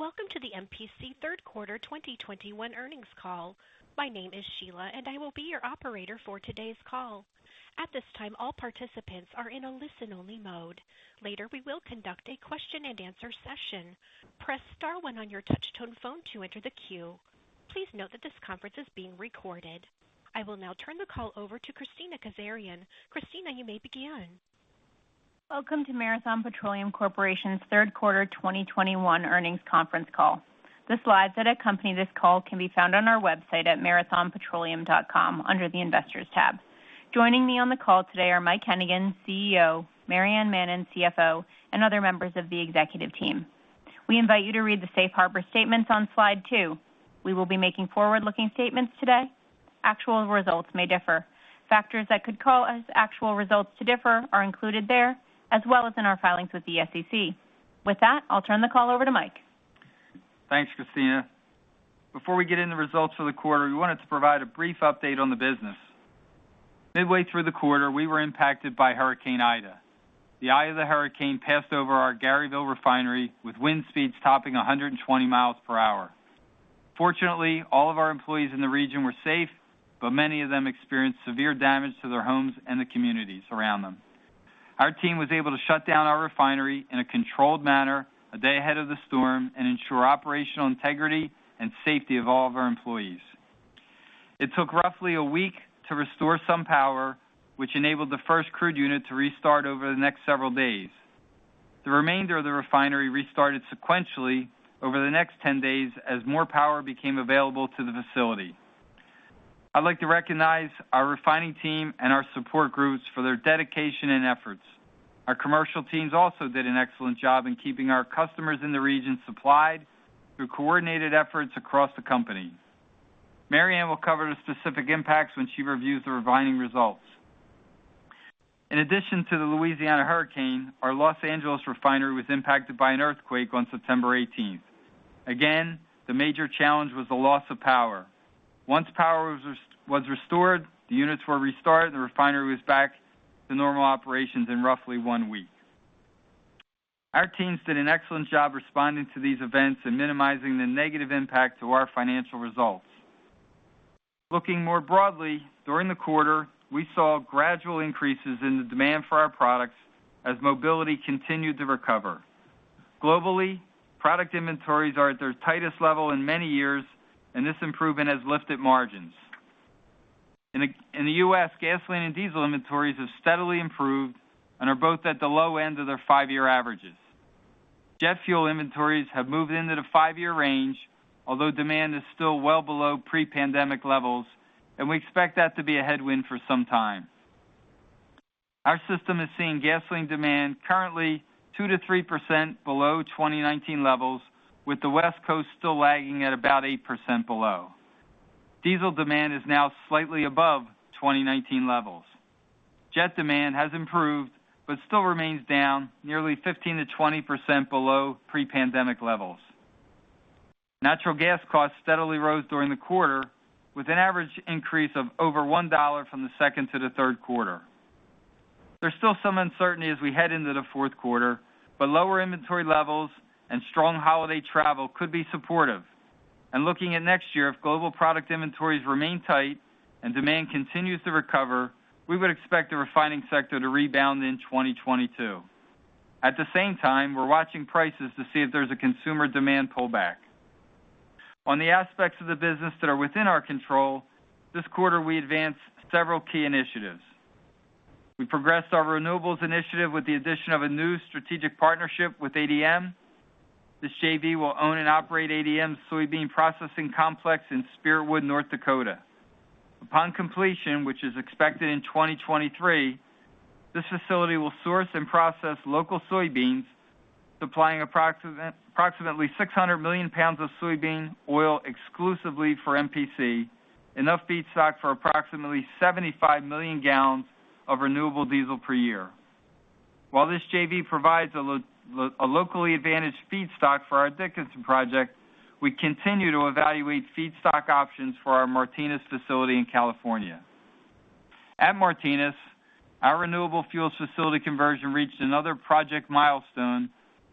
Welcome to the MPC third quarter 2021 earnings call. My name is Sheila, and I will be your operator for today's call. At this time, all participants are in a listen-only mode. Later, we will conduct a question-and-answer session. Press star one on your touch-tone phone to enter the queue. Please note that this conference is being recorded. I will now turn the call over to Kristina Kazarian. Kristina, you may begin. Welcome to Marathon Petroleum Corporation's third quarter 2021 earnings conference call. The slides that accompany this call can be found on our website at marathonpetroleum.com under the Investors tab. Joining me on the call today are Mike Hennigan, CEO, Maryann Mannen, CFO, and other members of the executive team. We invite you to read the safe harbor statements on slide two. We will be making forward-looking statements today. Actual results may differ. Factors that could cause actual results to differ are included there, as well as in our filings with the SEC. With that, I'll turn the call over to Mike. Thanks, Kristina. Before we get into results for the quarter, we wanted to provide a brief update on the business. Midway through the quarter, we were impacted by Hurricane Ida. The eye of the hurricane passed over our Garyville refinery with wind speeds topping 120 mi per hour. Fortunately, all of our employees in the region were safe, but many of them experienced severe damage to their homes and the communities around them. Our team was able to shut down our refinery in a controlled manner a day ahead of the storm and ensure operational integrity and safety of all of our employees. It took roughly a week to restore some power, which enabled the first crude unit to restart over the next several days. The remainder of the refinery restarted sequentially over the next 10 days as more power became available to the facility. I'd like to recognize our refining team and our support groups for their dedication and efforts. Our commercial teams also did an excellent job in keeping our customers in the region supplied through coordinated efforts across the company. Maryann will cover the specific impacts when she reviews the refining results. In addition to the Louisiana hurricane, our Los Angeles refinery was impacted by an earthquake on September 18th. Again, the major challenge was the loss of power. Once power was restored, the units were restarted, and the refinery was back to normal operations in roughly one week. Our teams did an excellent job responding to these events and minimizing the negative impact to our financial results. Looking more broadly, during the quarter, we saw gradual increases in the demand for our products as mobility continued to recover. Globally, product inventories are at their tightest level in many years, and this improvement has lifted margins. In the U.S., gasoline and diesel inventories have steadily improved and are both at the low end of their five-year averages. Jet fuel inventories have moved into the five-year range, although demand is still well below pre-pandemic levels, and we expect that to be a headwind for some time. Our system is seeing gasoline demand currently 2%-3% below 2019 levels, with the West Coast still lagging at about 8% below. Diesel demand is now slightly above 2019 levels. Jet demand has improved but still remains down nearly 15%-20% below pre-pandemic levels. Natural gas costs steadily rose during the quarter, with an average increase of over $1 from the second to the third quarter. There's still some uncertainty as we head into the fourth quarter, but lower inventory levels and strong holiday travel could be supportive. Looking at next year, if global product inventories remain tight and demand continues to recover, we would expect the refining sector to rebound in 2022. At the same time, we're watching prices to see if there's a consumer demand pullback. On the aspects of the business that are within our control, this quarter we advanced several key initiatives. We progressed our renewables initiative with the addition of a new strategic partnership with ADM. This JV will own and operate ADM's soybean processing complex in Spiritwood, North Dakota. Upon completion, which is expected in 2023, this facility will source and process local soybeans, supplying approximately 600 million lbs of soybean oil exclusively for MPC, enough feedstock for approximately 75 million gal of renewable diesel per year. While this JV provides a locally advantaged feedstock for our Dickinson project, we continue to evaluate feedstock options for our Martinez facility in California. At Martinez, our renewable fuels facility conversion reached another project milestone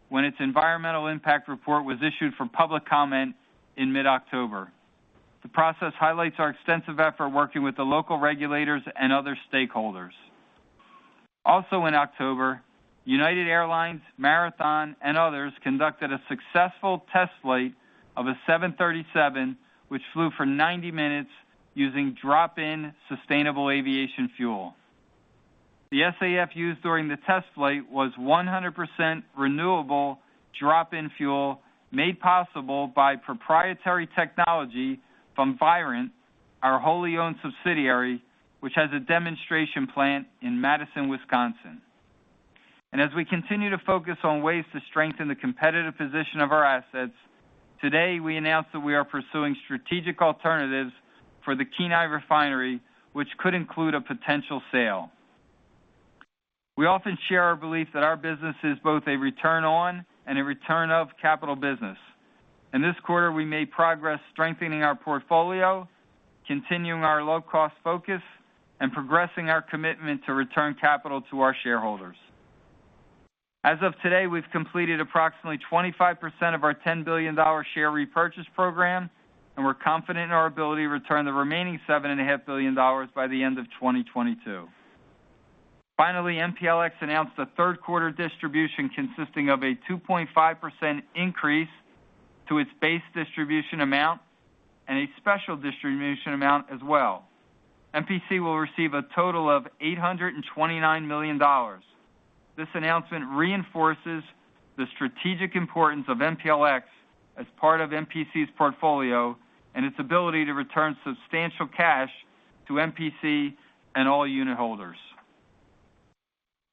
when its Environmental Impact Report was issued for public comment in mid-October. The process highlights our extensive effort working with the local regulators and other stakeholders. Also in October, United Airlines, Marathon, and others conducted a successful test flight of a 737, which flew for 90 minutes using drop-in sustainable aviation fuel. The SAF used during the test flight was 100% renewable drop-in fuel made possible by proprietary technology from Virent, our wholly owned subsidiary, which has a demonstration plant in Madison, Wisconsin. As we continue to focus on ways to strengthen the competitive position of our assets, today we announced that we are pursuing strategic alternatives for the Kenai refinery, which could include a potential sale. We often share our belief that our business is both a return on and a return of capital business. In this quarter, we made progress strengthening our portfolio, continuing our low-cost focus, and progressing our commitment to return capital to our shareholders. As of today, we've completed approximately 25% of our $10 billion share repurchase program, and we're confident in our ability to return the remaining $7.5 billion by the end of 2022. Finally, MPLX announced a third quarter distribution consisting of a 2.5% increase to its base distribution amount and a special distribution amount as well. MPC will receive a total of $829 million. This announcement reinforces the strategic importance of MPLX as part of MPC's portfolio and its ability to return substantial cash to MPC and all unit holders.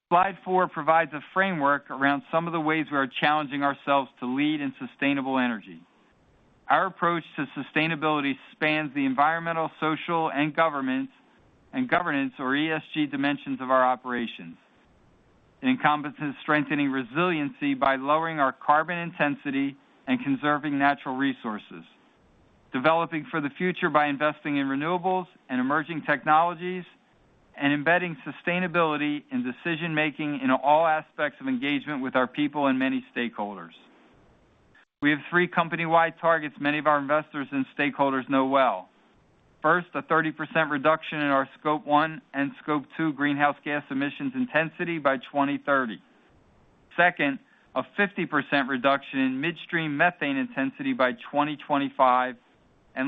Slide four provides a framework around some of the ways we are challenging ourselves to lead in sustainable energy. Our approach to sustainability spans the environmental, social, and governance or ESG dimensions of our operations. It encompasses strengthening resiliency by lowering our carbon intensity and conserving natural resources, developing for the future by investing in renewables and emerging technologies, and embedding sustainability in decision-making in all aspects of engagement with our people and many stakeholders. We have three company-wide targets many of our investors and stakeholders know well. First, a 30% reduction in our Scope 1 and Scope 2 greenhouse gas emissions intensity by 2030. Second, a 50% reduction in midstream methane intensity by 2025.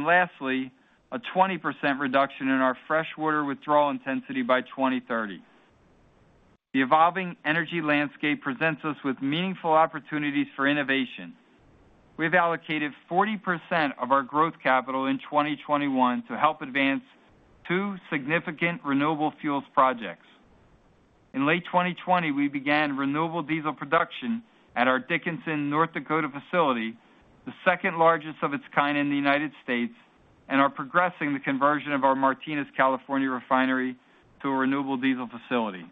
Lastly, a 20% reduction in our freshwater withdrawal intensity by 2030. The evolving energy landscape presents us with meaningful opportunities for innovation. We've allocated 40% of our growth capital in 2021 to help advance two significant renewable fuels projects. In late 2020, we began renewable diesel production at our Dickinson, North Dakota facility, the second-largest of its kind in the United States, and are progressing the conversion of our Martinez, California refinery to a renewable diesel facility.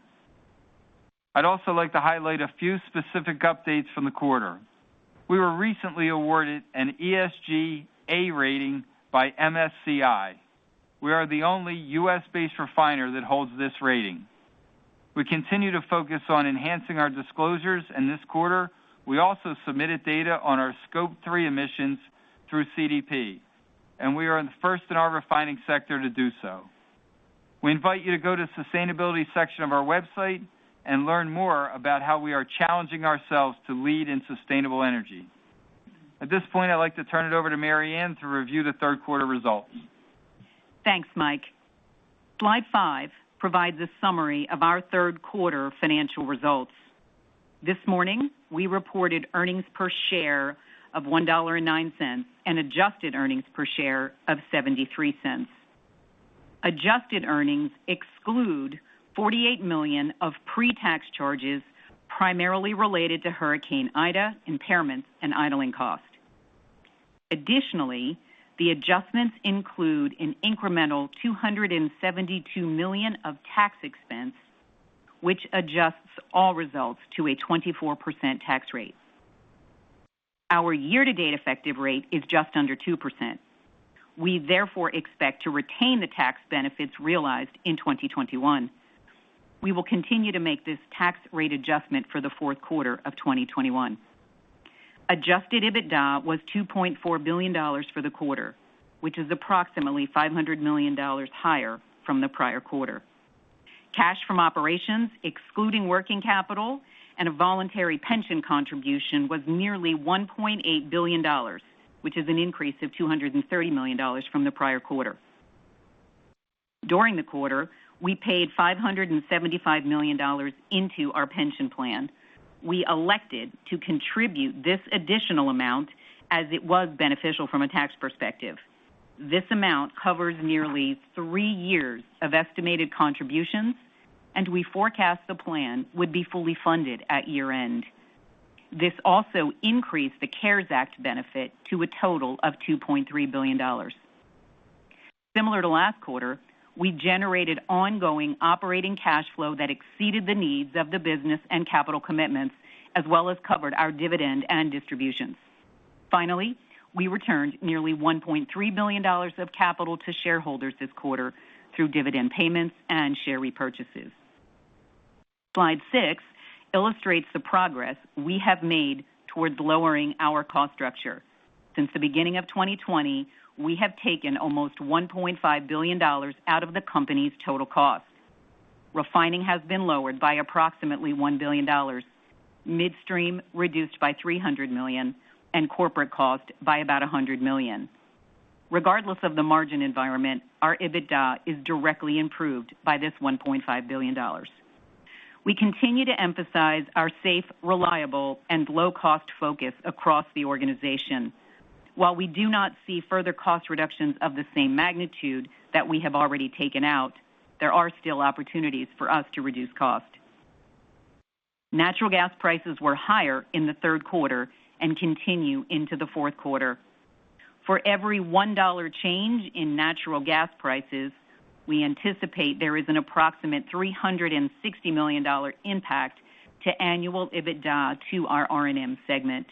I'd also like to highlight a few specific updates from the quarter. We were recently awarded an ESG A rating by MSCI. We are the only U.S.-based refiner that holds this rating. We continue to focus on enhancing our disclosures, and this quarter, we also submitted data on our Scope 3 emissions through CDP, and we are the first in our refining sector to do so. We invite you to go to Sustainability section of our website and learn more about how we are challenging ourselves to lead in sustainable energy. At this point, I'd like to turn it over to Maryann to review the third quarter results. Thanks, Mike. Slide five provides a summary of our third quarter financial results. This morning, we reported earnings per share of $1.09, and adjusted earnings per share of $0.73. Adjusted earnings exclude $48 million of pre-tax charges, primarily related to Hurricane Ida impairments and idling costs. Additionally, the adjustments include an incremental $272 million of tax expense, which adjusts all results to a 24% tax rate. Our year-to-date effective rate is just under 2%. We therefore expect to retain the tax benefits realized in 2021. We will continue to make this tax rate adjustment for the fourth quarter of 2021. Adjusted EBITDA was $2.4 billion for the quarter, which is approximately $500 million higher from the prior quarter. Cash from operations, excluding working capital and a voluntary pension contribution, was nearly $1.8 billion, which is an increase of $230 million from the prior quarter. During the quarter, we paid $575 million into our pension plan. We elected to contribute this additional amount as it was beneficial from a tax perspective. This amount covers nearly three years of estimated contributions, and we forecast the plan would be fully funded at year-end. This also increased the CARES Act benefit to a total of $2.3 billion. Similar to last quarter, we generated ongoing operating cash flow that exceeded the needs of the business and capital commitments, as well as covered our dividend and distributions. Finally, we returned nearly $1.3 billion of capital to shareholders this quarter through dividend payments and share repurchases. Slide six illustrates the progress we have made towards lowering our cost structure. Since the beginning of 2020, we have taken almost $1.5 billion out of the company's total cost. Refining has been lowered by approximately $1 billion, midstream reduced by $300 million, and corporate cost by about $100 million. Regardless of the margin environment, our EBITDA is directly improved by this $1.5 billion. We continue to emphasize our safe, reliable, and low-cost focus across the organization. While we do not see further cost reductions of the same magnitude that we have already taken out, there are still opportunities for us to reduce cost. Natural gas prices were higher in the third quarter and continue into the fourth quarter. For every $1 change in natural gas prices, we anticipate there is an approximate $360 million impact to annual EBITDA to our R&M segment.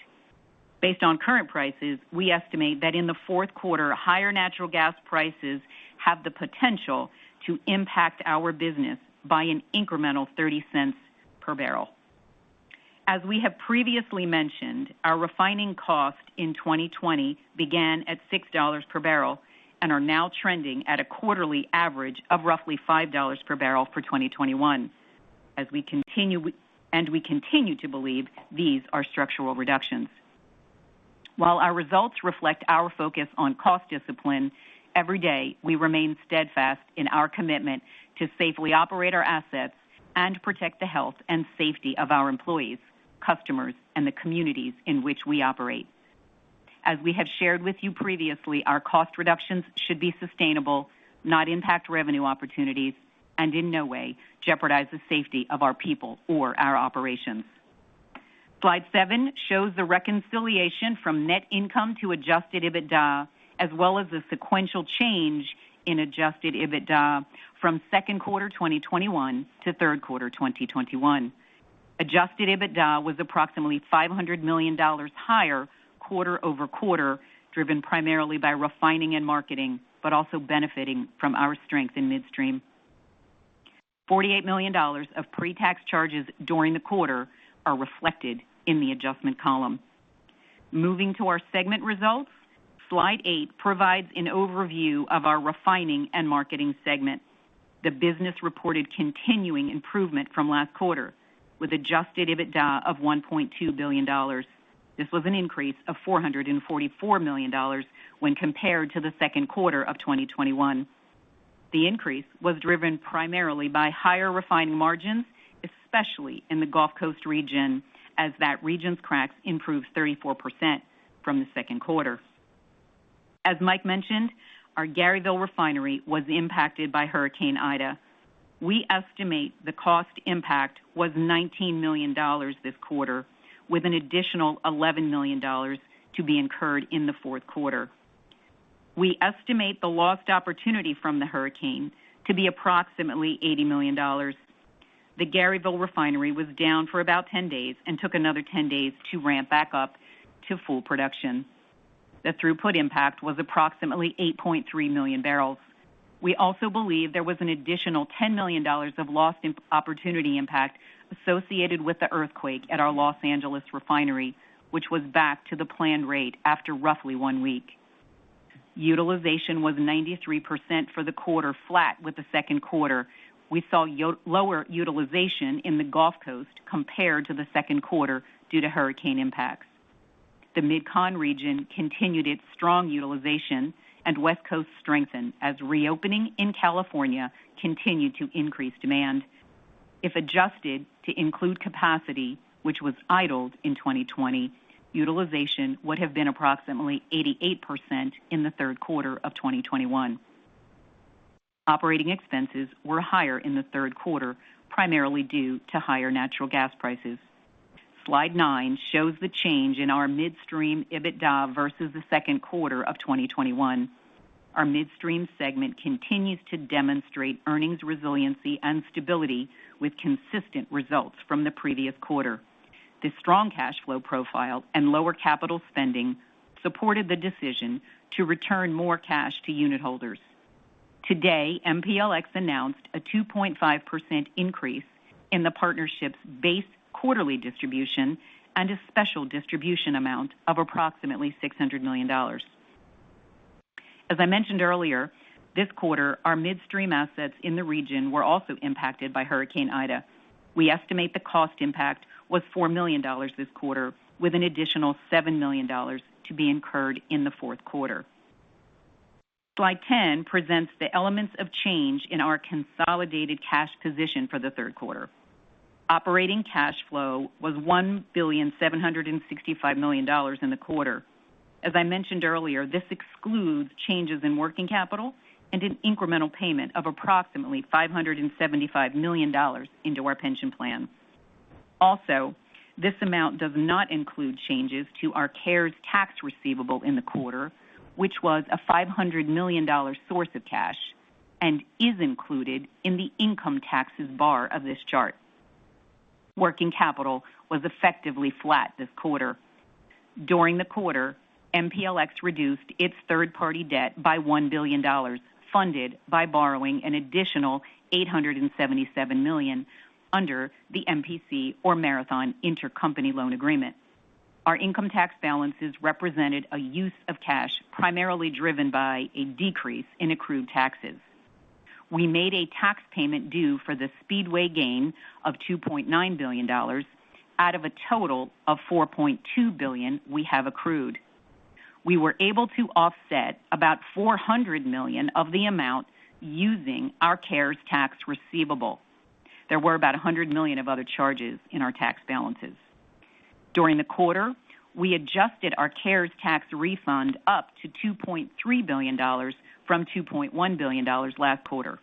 Based on current prices, we estimate that in the fourth quarter, higher natural gas prices have the potential to impact our business by an incremental $0.30 per barrel. As we have previously mentioned, our refining cost in 2020 began at $6 per barrel and are now trending at a quarterly average of roughly $5 per barrel for 2021. As we continue to believe these are structural reductions. While our results reflect our focus on cost discipline, every day, we remain steadfast in our commitment to safely operate our assets and protect the health and safety of our employees, customers, and the communities in which we operate. As we have shared with you previously, our cost reductions should be sustainable, not impact revenue opportunities, and in no way jeopardize the safety of our people or our operations. Slide seven shows the reconciliation from net income to adjusted EBITDA, as well as the sequential change in adjusted EBITDA from second quarter 2021 to third quarter 2021. Adjusted EBITDA was approximately $500 million higher quarter-over-quarter, driven primarily by Refining & Marketing, but also benefiting from our strength in midstream. $48 million of pre-tax charges during the quarter are reflected in the adjustment column. Moving to our segment results, slide eight provides an overview of our Refining and Marketing segment. The business reported continuing improvement from last quarter with adjusted EBITDA of $1.2 billion. This was an increase of $444 million when compared to the second quarter of 2021. The increase was driven primarily by higher refining margins, especially in the Gulf Coast region, as that region's cracks improved 34% from the second quarter. As Mike mentioned, our Garyville refinery was impacted by Hurricane Ida. We estimate the cost impact was $19 million this quarter, with an additional $11 million to be incurred in the fourth quarter. We estimate the lost opportunity from the hurricane to be approximately $80 million. The Garyville refinery was down for about 10 days and took another 10 days to ramp back up to full production. The throughput impact was approximately 8.3 million bbl. We also believe there was an additional $10 million of lost opportunity impact associated with the earthquake at our Los Angeles refinery, which was back to the planned rate after roughly one week. Utilization was 93% for the quarter flat with the second quarter. We saw lower utilization in the Gulf Coast compared to the second quarter due to hurricane impacts. The MidCon region continued its strong utilization, and West Coast strengthened as reopening in California continued to increase demand. If adjusted to include capacity, which was idled in 2020, utilization would have been approximately 88% in the third quarter of 2021. Operating expenses were higher in the third quarter, primarily due to higher natural gas prices. Slide nine shows the change in our midstream EBITDA versus the second quarter of 2021. Our midstream segment continues to demonstrate earnings resiliency and stability with consistent results from the previous quarter. This strong cash flow profile and lower capital spending supported the decision to return more cash to unit holders. Today, MPLX announced a 2.5% increase in the partnership's base quarterly distribution and a special distribution amount of approximately $600 million. As I mentioned earlier, this quarter, our midstream assets in the region were also impacted by Hurricane Ida. We estimate the cost impact was $4 million this quarter, with an additional $7 million to be incurred in the fourth quarter. Slide 10 presents the elements of change in our consolidated cash position for the third quarter. Operating cash flow was $1.765 billion in the quarter. As I mentioned earlier, this excludes changes in working capital and an incremental payment of approximately $575 million into our pension plan. Also, this amount does not include changes to our CARES tax receivable in the quarter, which was a $500 million source of cash and is included in the income taxes bar of this chart. Working capital was effectively flat this quarter. During the quarter, MPLX reduced its third-party debt by $1 billion, funded by borrowing an additional $877 million under the MPC or Marathon intercompany loan agreement. Our income tax balances represented a use of cash, primarily driven by a decrease in accrued taxes. We made a tax payment due for the Speedway gain of $2.9 billion out of a total of $4.2 billion we have accrued. We were able to offset about $400 million of the amount using our CARES tax receivable. There were about $100 million of other charges in our tax balances. During the quarter, we adjusted our CARES tax refund up to $2.3 billion from $2.1 billion last quarter.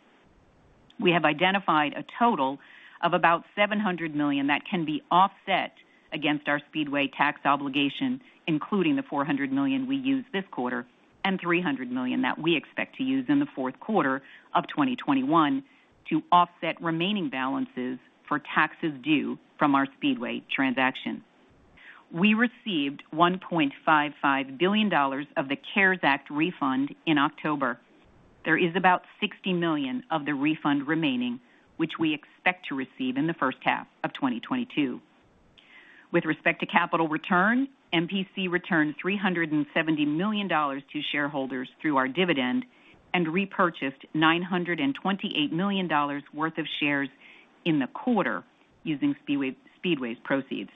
We have identified a total of about $700 million that can be offset against our Speedway tax obligation, including the $400 million we used this quarter and $300 million that we expect to use in the fourth quarter of 2021 to offset remaining balances for taxes due from our Speedway transaction. We received $1.55 billion of the CARES Act refund in October. There is about $60 million of the refund remaining, which we expect to receive in the first half of 2022. With respect to capital return, MPC returned $370 million to shareholders through our dividend and repurchased $928 million worth of shares in the quarter using Speedway's proceeds.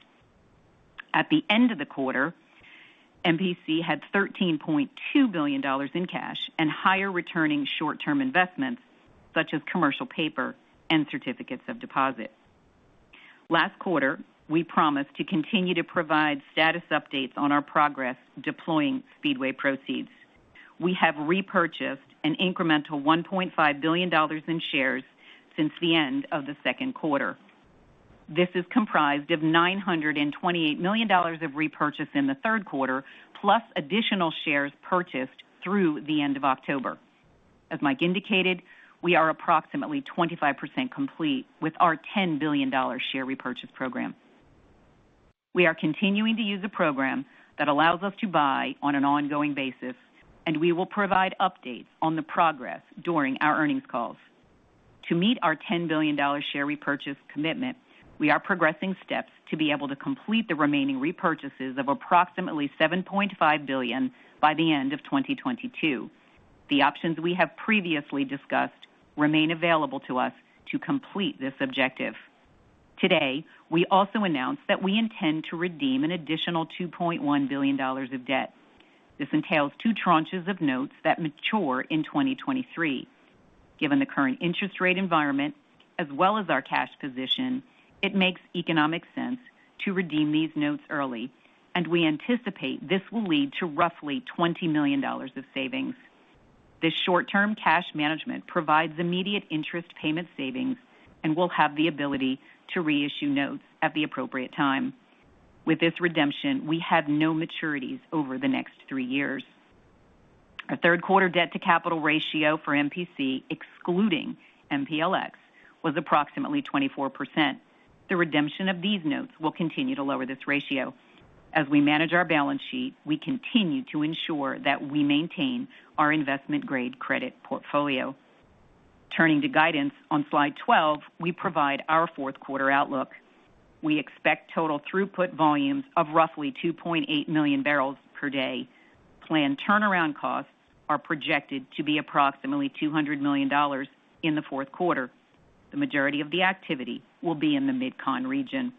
At the end of the quarter, MPC had $13.2 billion in cash and higher returning short-term investments such as commercial paper and certificates of deposit. Last quarter, we promised to continue to provide status updates on our progress deploying Speedway proceeds. We have repurchased an incremental $1.5 billion in shares since the end of the second quarter. This is comprised of $928 million of repurchase in the third quarter, plus additional shares purchased through the end of October. As Mike indicated, we are approximately 25% complete with our $10 billion share repurchase program. We are continuing to use a program that allows us to buy on an ongoing basis, and we will provide updates on the progress during our earnings calls. To meet our $10 billion share repurchase commitment, we are progressing steps to be able to complete the remaining repurchases of approximately $7.5 billion by the end of 2022. The options we have previously discussed remain available to us to complete this objective. Today, we also announced that we intend to redeem an additional $2.1 billion of debt. This entails two tranches of notes that mature in 2023. Given the current interest rate environment as well as our cash position, it makes economic sense to redeem these notes early, and we anticipate this will lead to roughly $20 million of savings. This short-term cash management provides immediate interest payment savings and will have the ability to reissue notes at the appropriate time. With this redemption, we have no maturities over the next three years. Our third quarter debt-to-capital ratio for MPC, excluding MPLX, was approximately 24%. The redemption of these notes will continue to lower this ratio. As we manage our balance sheet, we continue to ensure that we maintain our investment-grade credit portfolio. Turning to guidance on slide 12, we provide our fourth quarter outlook. We expect total throughput volumes of roughly 2.8 million bbl per day. Planned turnaround costs are projected to be approximately $200 million in the fourth quarter. The majority of the activity will be in the MidCon region.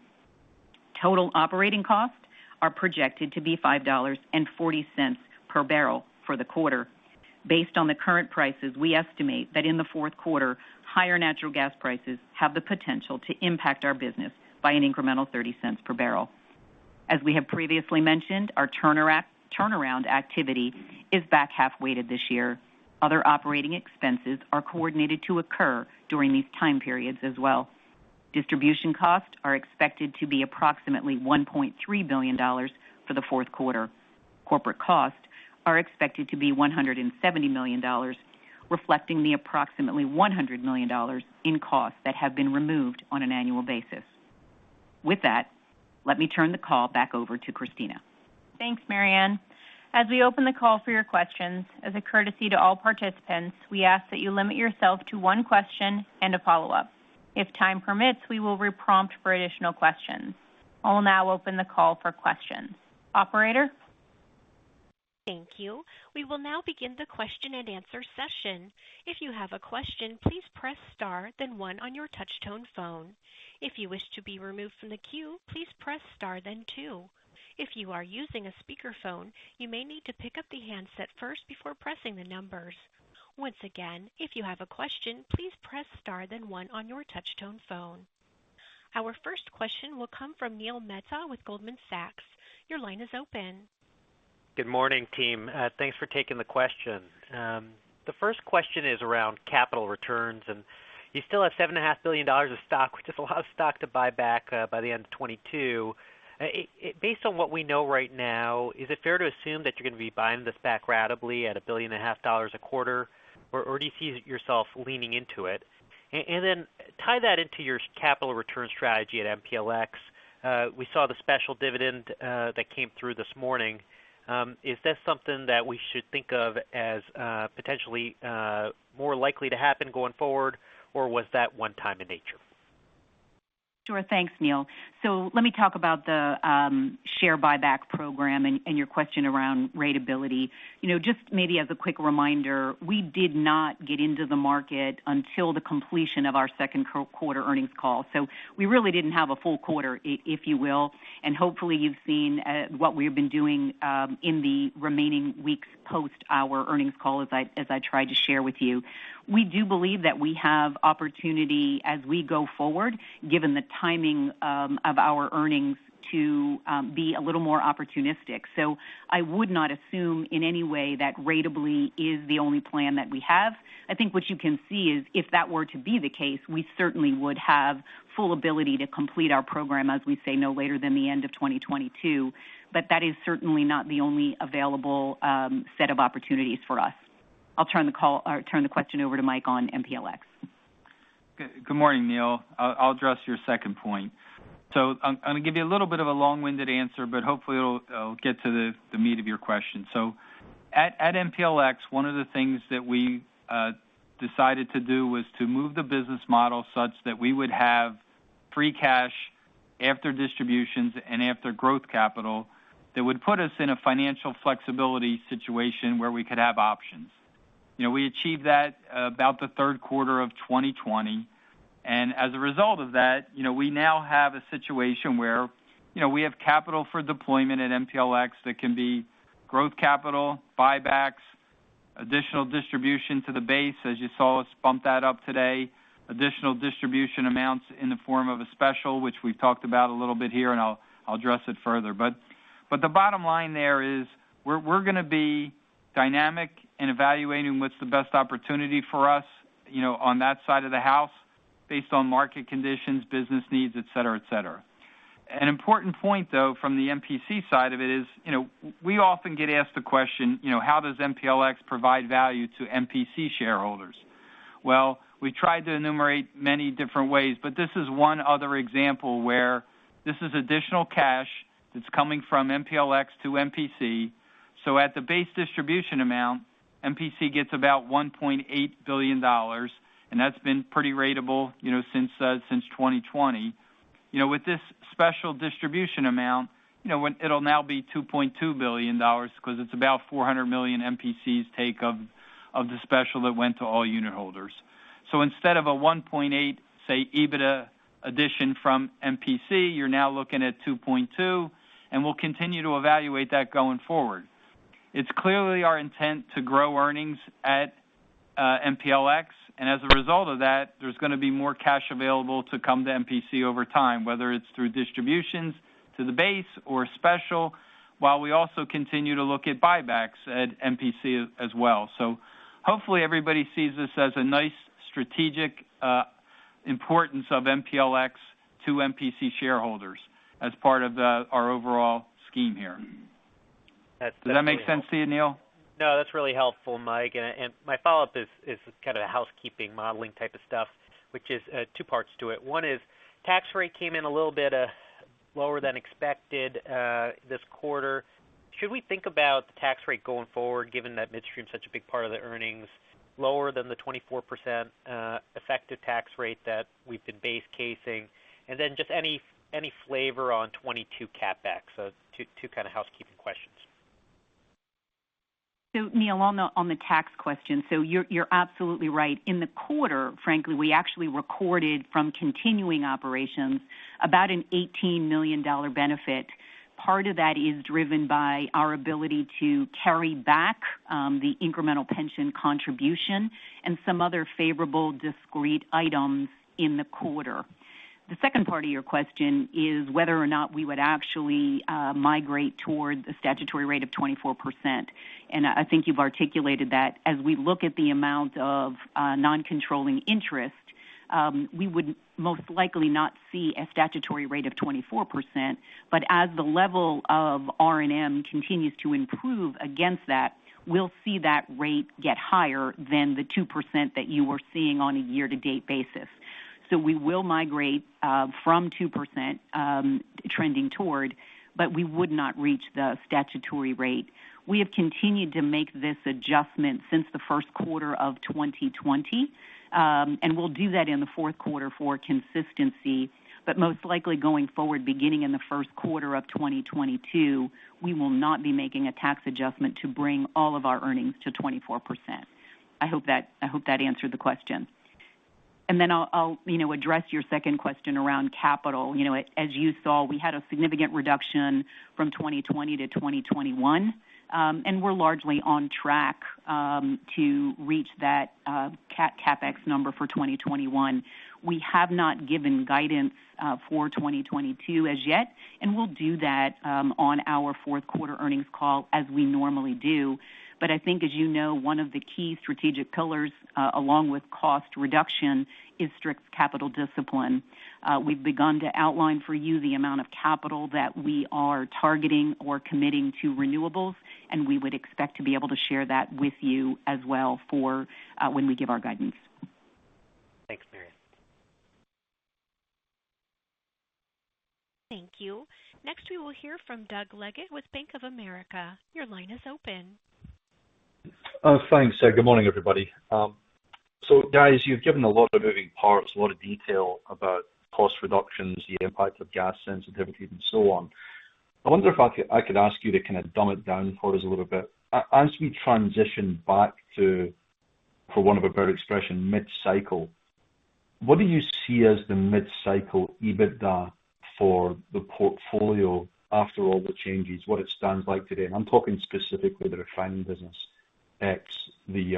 Total operating costs are projected to be $5.40 per barrel for the quarter. Based on the current prices, we estimate that in the fourth quarter, higher natural gas prices have the potential to impact our business by an incremental $0.30 per barrel. As we have previously mentioned, our turnaround activity is back-half-weighted this year. Other operating expenses are coordinated to occur during these time periods as well. Distribution costs are expected to be approximately $1.3 billion for the fourth quarter. Corporate costs are expected to be $170 million, reflecting the approximately $100 million in costs that have been removed on an annual basis. With that, let me turn the call back over to Kristina. Thanks, Maryann. As we open the call for your questions, as a courtesy to all participants, we ask that you limit yourself to one question and a follow-up. If time permits, we will re-prompt for additional questions. I will now open the call for questions. Operator? Thank you. We will now begin the question-and-answer session. If you have a question, please press star then one on your touch-tone phone. If you wish to be removed from the queue, please press star then two. If you are using a speakerphone, you may need to pick up the handset first before pressing the numbers. Once again, if you have a question, please press star then one on your touch-tone phone. Our first question will come from Neil Mehta with Goldman Sachs. Your line is open. Good morning, team. Thanks for taking the question. The first question is around capital returns, and you still have $7.5 billion of stock, which is a lot of stock to buy back by the end of 2022. Based on what we know right now, is it fair to assume that you're going to be buying this back ratably at $1.5 billion a quarter, or do you see yourself leaning into it? Tie that into your capital return strategy at MPLX. We saw the special dividend that came through this morning. Is this something that we should think of as potentially more likely to happen going forward, or was that one-time in nature? Sure. Thanks, Neil. Let me talk about the share buyback program and your question around ratability. You know, just maybe as a quick reminder, we did not get into the market until the completion of our second quarter earnings call. We really didn't have a full quarter, if you will, and hopefully you've seen what we have been doing in the remaining weeks post our earnings call, as I tried to share with you. We do believe that we have opportunity as we go forward, given the timing of our earnings to be a little more opportunistic. I would not assume in any way that ratably is the only plan that we have. I think what you can see is if that were to be the case, we certainly would have full ability to complete our program, as we say, no later than the end of 2022. That is certainly not the only available set of opportunities for us. I'll turn the question over to Mike on MPLX. Good morning, Neil. I'll address your second point. I'm gonna give you a little bit of a long-winded answer, but hopefully it'll get to the meat of your question. At MPLX, one of the things that we decided to do was to move the business model such that we would have free cash after distributions and after growth capital that would put us in a financial flexibility situation where we could have options. You know, we achieved that about the third quarter of 2020. As a result of that, you know, we now have a situation where, you know, we have capital for deployment at MPLX that can be growth capital, buybacks, additional distribution to the base. As you saw us bump that up today, additional distribution amounts in the form of a special, which we've talked about a little bit here, and I'll address it further. The bottom line there is we're gonna be dynamic in evaluating what's the best opportunity for us, you know, on that side of the house based on market conditions, business needs, et cetera, et cetera. An important point though, from the MPC side of it is, you know, we often get asked the question, you know, how does MPLX provide value to MPC shareholders? Well, we tried to enumerate many different ways, but this is one other example where this is additional cash that's coming from MPLX to MPC. At the base distribution amount, MPC gets about $1.8 billion, and that's been pretty ratable, you know, since 2020. You know, with this special distribution amount, you know, it'll now be $2.2 billion because it's about $400 million MPC's take of the special that went to all unit holders. Instead of a $1.8 billion, say, EBITDA addition from MPC, you're now looking at $2.2 billion, and we'll continue to evaluate that going forward. It's clearly our intent to grow earnings at MPLX. As a result of that, there's gonna be more cash available to come to MPC over time, whether it's through distributions to the base or special, while we also continue to look at buybacks at MPC as well. Hopefully everybody sees this as a nice strategic importance of MPLX to MPC shareholders as part of our overall scheme here. That's definitely helpful. Does that make sense to you, Neil? No, that's really helpful, Mike. My follow-up is kind of a housekeeping modeling type of stuff, which is two parts to it. One is tax rate came in a little bit lower than expected this quarter. Should we think about the tax rate going forward, given that midstream is such a big part of the earnings lower than the 24% effective tax rate that we've been base casing? Just any flavor on 2022 CapEx. Two kind of housekeeping questions. Neil, on the tax question, you're absolutely right. In the quarter, frankly, we actually recorded from continuing operations about a $18 million benefit. Part of that is driven by our ability to carry back the incremental pension contribution and some other favorable discrete items in the quarter. The second part of your question is whether or not we would actually migrate towards a statutory rate of 24%. I think you've articulated that. As we look at the amount of non-controlling interest, we would most likely not see a statutory rate of 24%. As the level of RNM continues to improve against that, we'll see that rate get higher than the 2% that you were seeing on a year-to-date basis. We will migrate from 2%, trending toward, but we would not reach the statutory rate. We have continued to make this adjustment since the first quarter of 2020, and we'll do that in the fourth quarter for consistency, but most likely going forward, beginning in the first quarter of 2022, we will not be making a tax adjustment to bring all of our earnings to 24%. I hope that answered the question. I'll you know address your second question around capital. You know, as you saw, we had a significant reduction from 2020 to 2021, and we're largely on track to reach that CapEx number for 2021. We have not given guidance for 2022 as yet, and we'll do that on our fourth quarter earnings call as we normally do. I think, as you know, one of the key strategic pillars along with cost reduction is strict capital discipline. We've begun to outline for you the amount of capital that we are targeting or committing to renewables, and we would expect to be able to share that with you as well for when we give our guidance. Thanks, Maryann. Thank you. Next, we will hear from Doug Leggate with Bank of America. Your line is open. Thanks. Good morning, everybody. Guys, you've given a lot of moving parts, a lot of detail about cost reductions, the impact of gas sensitivity and so on. I wonder if I could ask you to kind of dumb it down for us a little bit. As we transition back to, for want of a better expression, mid-cycle, what do you see as the mid-cycle EBITDA for the portfolio after all the changes, what it stands like today? I'm talking specifically the refining business ex the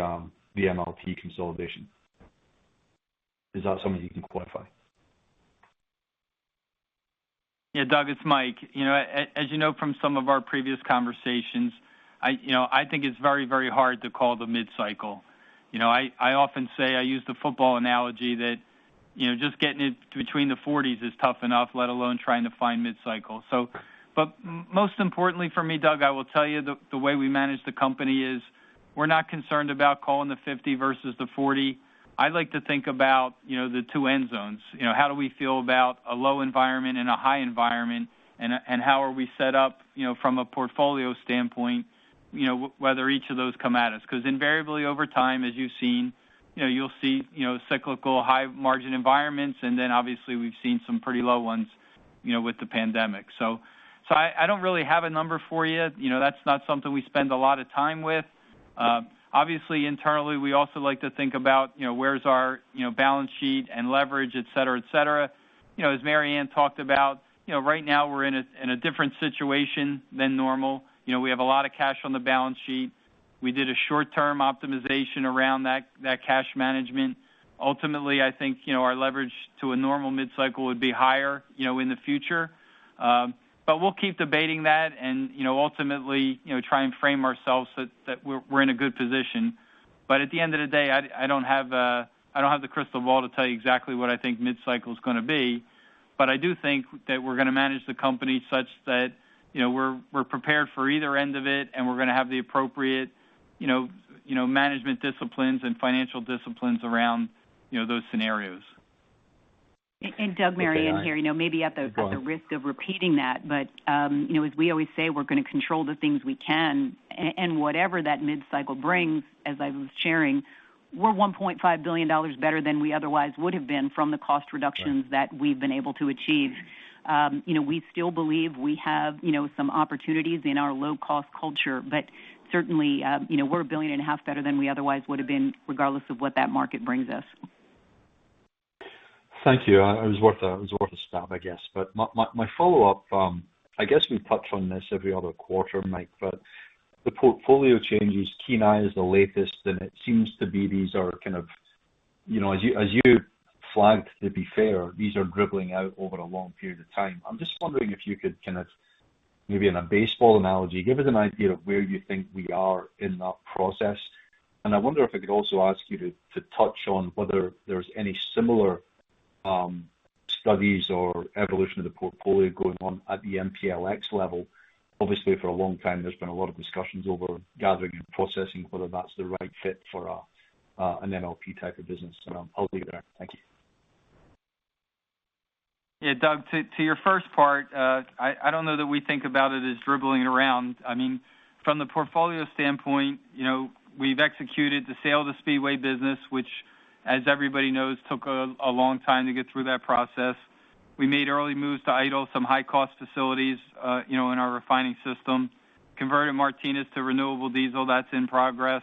MLP consolidation. Is that something you can quantify? Yeah, Doug, it's Mike. You know, as you know from some of our previous conversations, you know, I think it's very, very hard to call the mid-cycle. You know, I often say I use the football analogy that, you know, just getting it to between the 40 is tough enough, let alone trying to find mid-cycle. But most importantly for me, Doug, I will tell you the way we manage the company is we're not concerned about calling the 50 versus the 40. I like to think about, you know, the two end zones. You know, how do we feel about a low environment and a high environment, and how are we set up, you know, from a portfolio standpoint, you know, whether each of those come at us. 'Cause invariably, over time, as you've seen, you know, you'll see, you know, cyclical high margin environments, and then obviously we've seen some pretty low ones, you know, with the pandemic. I don't really have a number for you. You know, that's not something we spend a lot of time with. Obviously, internally, we also like to think about, you know, where's our, you know, balance sheet and leverage, et cetera, et cetera. You know, as Maryann talked about, you know, right now we're in a different situation than normal. You know, we have a lot of cash on the balance sheet. We did a short-term optimization around that cash management. Ultimately, I think, you know, our leverage to a normal mid-cycle would be higher, you know, in the future. We'll keep debating that and, you know, ultimately, you know, try and frame ourselves so that we're in a good position. At the end of the day, I don't have the crystal ball to tell you exactly what I think mid-cycle is gonna be. I do think that we're gonna manage the company such that, you know, we're prepared for either end of it, and we're gonna have the appropriate, you know, you know, management disciplines and financial disciplines around, you know, those scenarios. Doug, Maryann here. You know, maybe at the risk of repeating that, but you know, as we always say, we're gonna control the things we can and whatever that mid-cycle brings, as I was sharing, we're $1.5 billion better than we otherwise would have been from the cost reductions that we've been able to achieve. You know, we still believe we have, you know, some opportunities in our low-cost culture. Certainly, you know, we're $1.5 billion better than we otherwise would have been, regardless of what that market brings us. Thank you. It was worth a stab, I guess. My follow-up, I guess we touch on this every other quarter, Mike, but the portfolio changes, Kenai is the latest, and it seems to be these are kind of, you know, as you flagged, to be fair, these are dribbling out over a long period of time. I'm just wondering if you could kind of, maybe in a baseball analogy, give us an idea of where you think we are in that process. I wonder if I could also ask you to touch on whether there's any similar studies or evolution of the portfolio going on at the MPLX level. Obviously, for a long time, there's been a lot of discussions over gathering and processing, whether that's the right fit for an MLP type of business. I'll leave it there. Thank you. Yeah, Doug, to your first part, I don't know that we think about it as dribbling around. I mean, from the portfolio standpoint, you know, we've executed the sale of the Speedway business, which, as everybody knows, took a long time to get through that process. We made early moves to idle some high-cost facilities, you know, in our refining system. Converted Martinez to renewable diesel, that's in progress.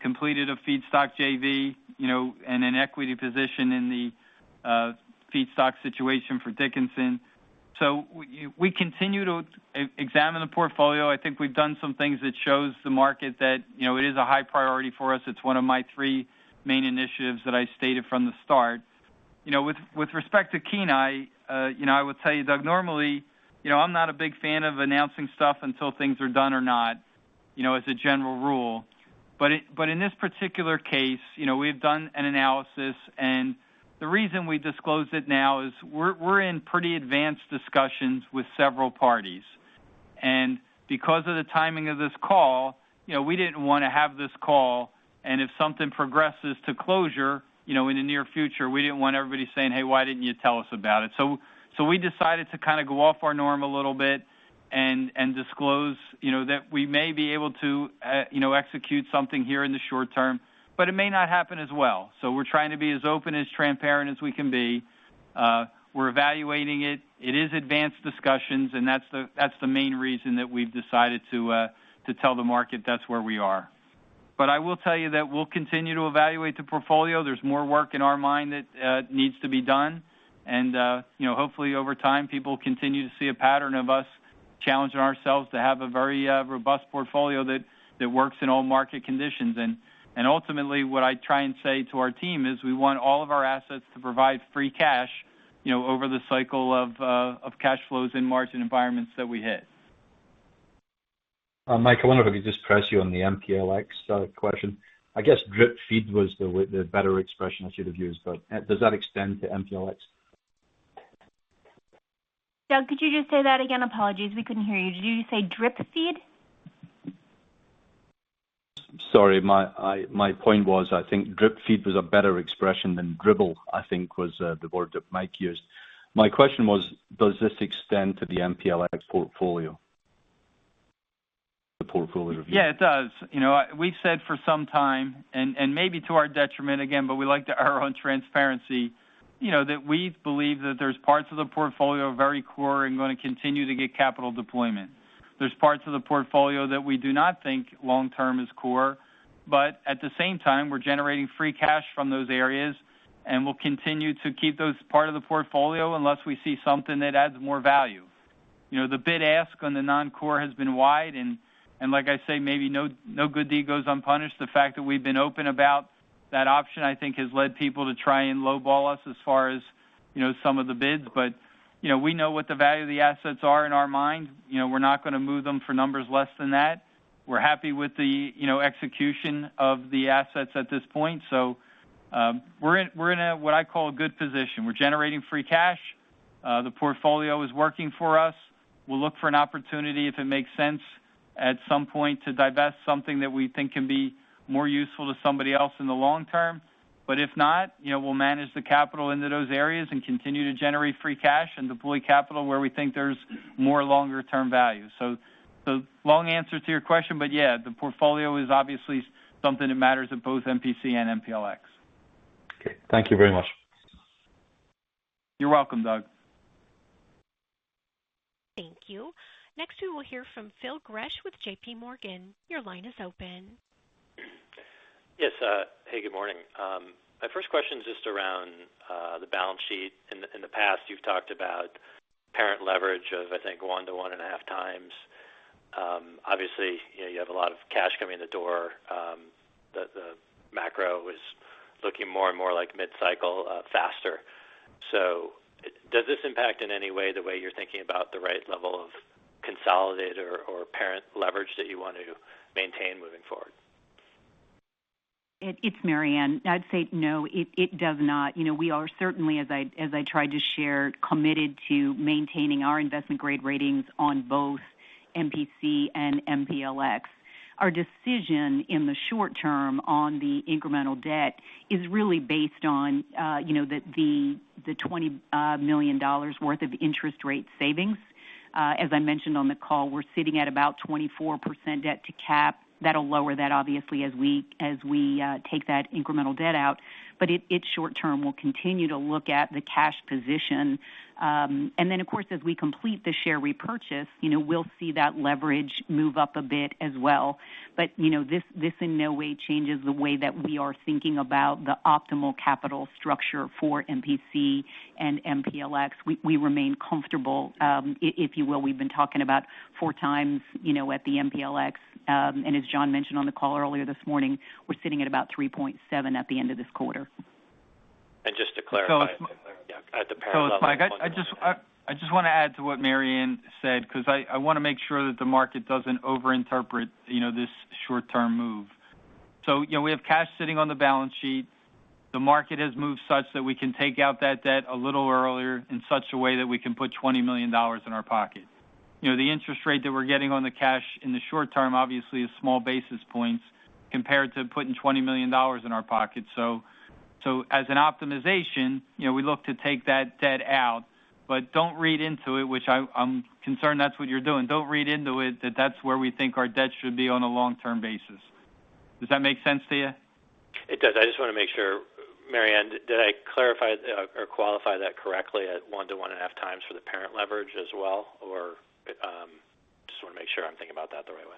Completed a feedstock JV, you know, and an equity position in the feedstock situation for Dickinson. We continue to examine the portfolio. I think we've done some things that shows the market that, you know, it is a high priority for us. It's one of my three main initiatives that I stated from the start. You know, with respect to Kenai, you know, I would tell you, Doug, normally, you know, I'm not a big fan of announcing stuff until things are done or not, you know, as a general rule. But in this particular case, you know, we've done an analysis, and the reason we disclosed it now is we're in pretty advanced discussions with several parties. Because of the timing of this call, you know, we didn't want to have this call, and if something progresses to closure, you know, in the near future, we didn't want everybody saying, "Hey, why didn't you tell us about it?" We decided to kinda go off our norm a little bit and disclose, you know, that we may be able to, you know, execute something here in the short term, but it may not happen as well. We're trying to be as open, as transparent as we can be. We're evaluating it. It is advanced discussions, and that's the main reason that we've decided to to tell the market that's where we are. But I will tell you that we'll continue to evaluate the portfolio. There's more work in our mind that needs to be done. You know, hopefully over time, people continue to see a pattern of us challenging ourselves to have a very robust portfolio that works in all market conditions. Ultimately, what I try and say to our team is we want all of our assets to provide free cash, you know, over the cycle of of cash flows and margin environments that we hit. Mike, I wonder if I could just press you on the MPLX question. I guess drip feed was the better expression I should have used, but does that extend to MPLX? Doug, could you just say that again? Apologies, we couldn't hear you. Did you just say drip feed? Sorry. My point was, I think drip feed was a better expression than dribble, I think was the word that Mike used. My question was, does this extend to the MPLX portfolio? The portfolio review. Yeah, it does. You know, we've said for some time, and maybe to our detriment, again, but we like our transparency, you know, that we believe that there's parts of the portfolio are very core and gonna continue to get capital deployment. There's parts of the portfolio that we do not think long term is core, but at the same time, we're generating free cash from those areas, and we'll continue to keep those part of the portfolio unless we see something that adds more value. You know, the bid ask on the noncore has been wide and like I say, maybe no good deed goes unpunished. The fact that we've been open about that option, I think, has led people to try and low ball us as far as, you know, some of the bids. You know, we know what the value of the assets are in our mind. You know, we're not gonna move them for numbers less than that. We're happy with the, you know, execution of the assets at this point. We're in a what I call a good position. We're generating free cash. The portfolio is working for us. We'll look for an opportunity, if it makes sense at some point, to divest something that we think can be more useful to somebody else in the long term. But if not, you know, we'll manage the capital into those areas and continue to generate free cash and deploy capital where we think there's more longer term value. The long answer to your question, but yeah, the portfolio is obviously something that matters at both MPC and MPLX. Okay, thank you very much. You're welcome, Doug. Thank you. Next, we will hear from Phil Gresh with JPMorgan. Your line is open. Yes. Hey, good morning. My first question is just around the balance sheet. In the past, you've talked about parent leverage of, I think, 1x-1.5x. Obviously, you know, you have a lot of cash coming in the door. The macro is looking more and more like mid-cycle faster. Does this impact in any way the way you're thinking about the right level of consolidated or parent leverage that you want to maintain moving forward? It's Maryann Mannen. I'd say no, it does not. You know, we are certainly, as I tried to share, committed to maintaining our investment grade ratings on both MPC and MPLX. Our decision in the short term on the incremental debt is really based on, you know, the $20 million worth of interest rate savings. As I mentioned on the call, we're sitting at about 24% debt to cap. That'll lower that obviously as we take that incremental debt out. It's short term. We'll continue to look at the cash position. Then of course, as we complete the share repurchase, you know, we'll see that leverage move up a bit as well. You know, this in no way changes the way that we are thinking about the optimal capital structure for MPC and MPLX. We remain comfortable, if you will. We've been talking about 4x, you know, at the MPLX. As John mentioned on the call earlier this morning, we're sitting at about 3.7x at the end of this quarter. Just to clarify. So it's- Yeah. At the parent level. It's Mike. I just wanna add to what Maryann said, 'cause I wanna make sure that the market doesn't overinterpret, you know, this short-term move. You know, we have cash sitting on the balance sheet. The market has moved such that we can take out that debt a little earlier in such a way that we can put $20 million in our pocket. You know, the interest rate that we're getting on the cash in the short term obviously is small basis points compared to putting $20 million in our pocket. So as an optimization, you know, we look to take that debt out, but don't read into it, which I'm concerned that's what you're doing. Don't read into it that that's where we think our debt should be on a long-term basis. Does that make sense to you? It does. I just wanna make sure, Maryann, did I clarify or qualify that correctly at 1x-1.5x for the parent leverage as well? Or, just wanna make sure I'm thinking about that the right way.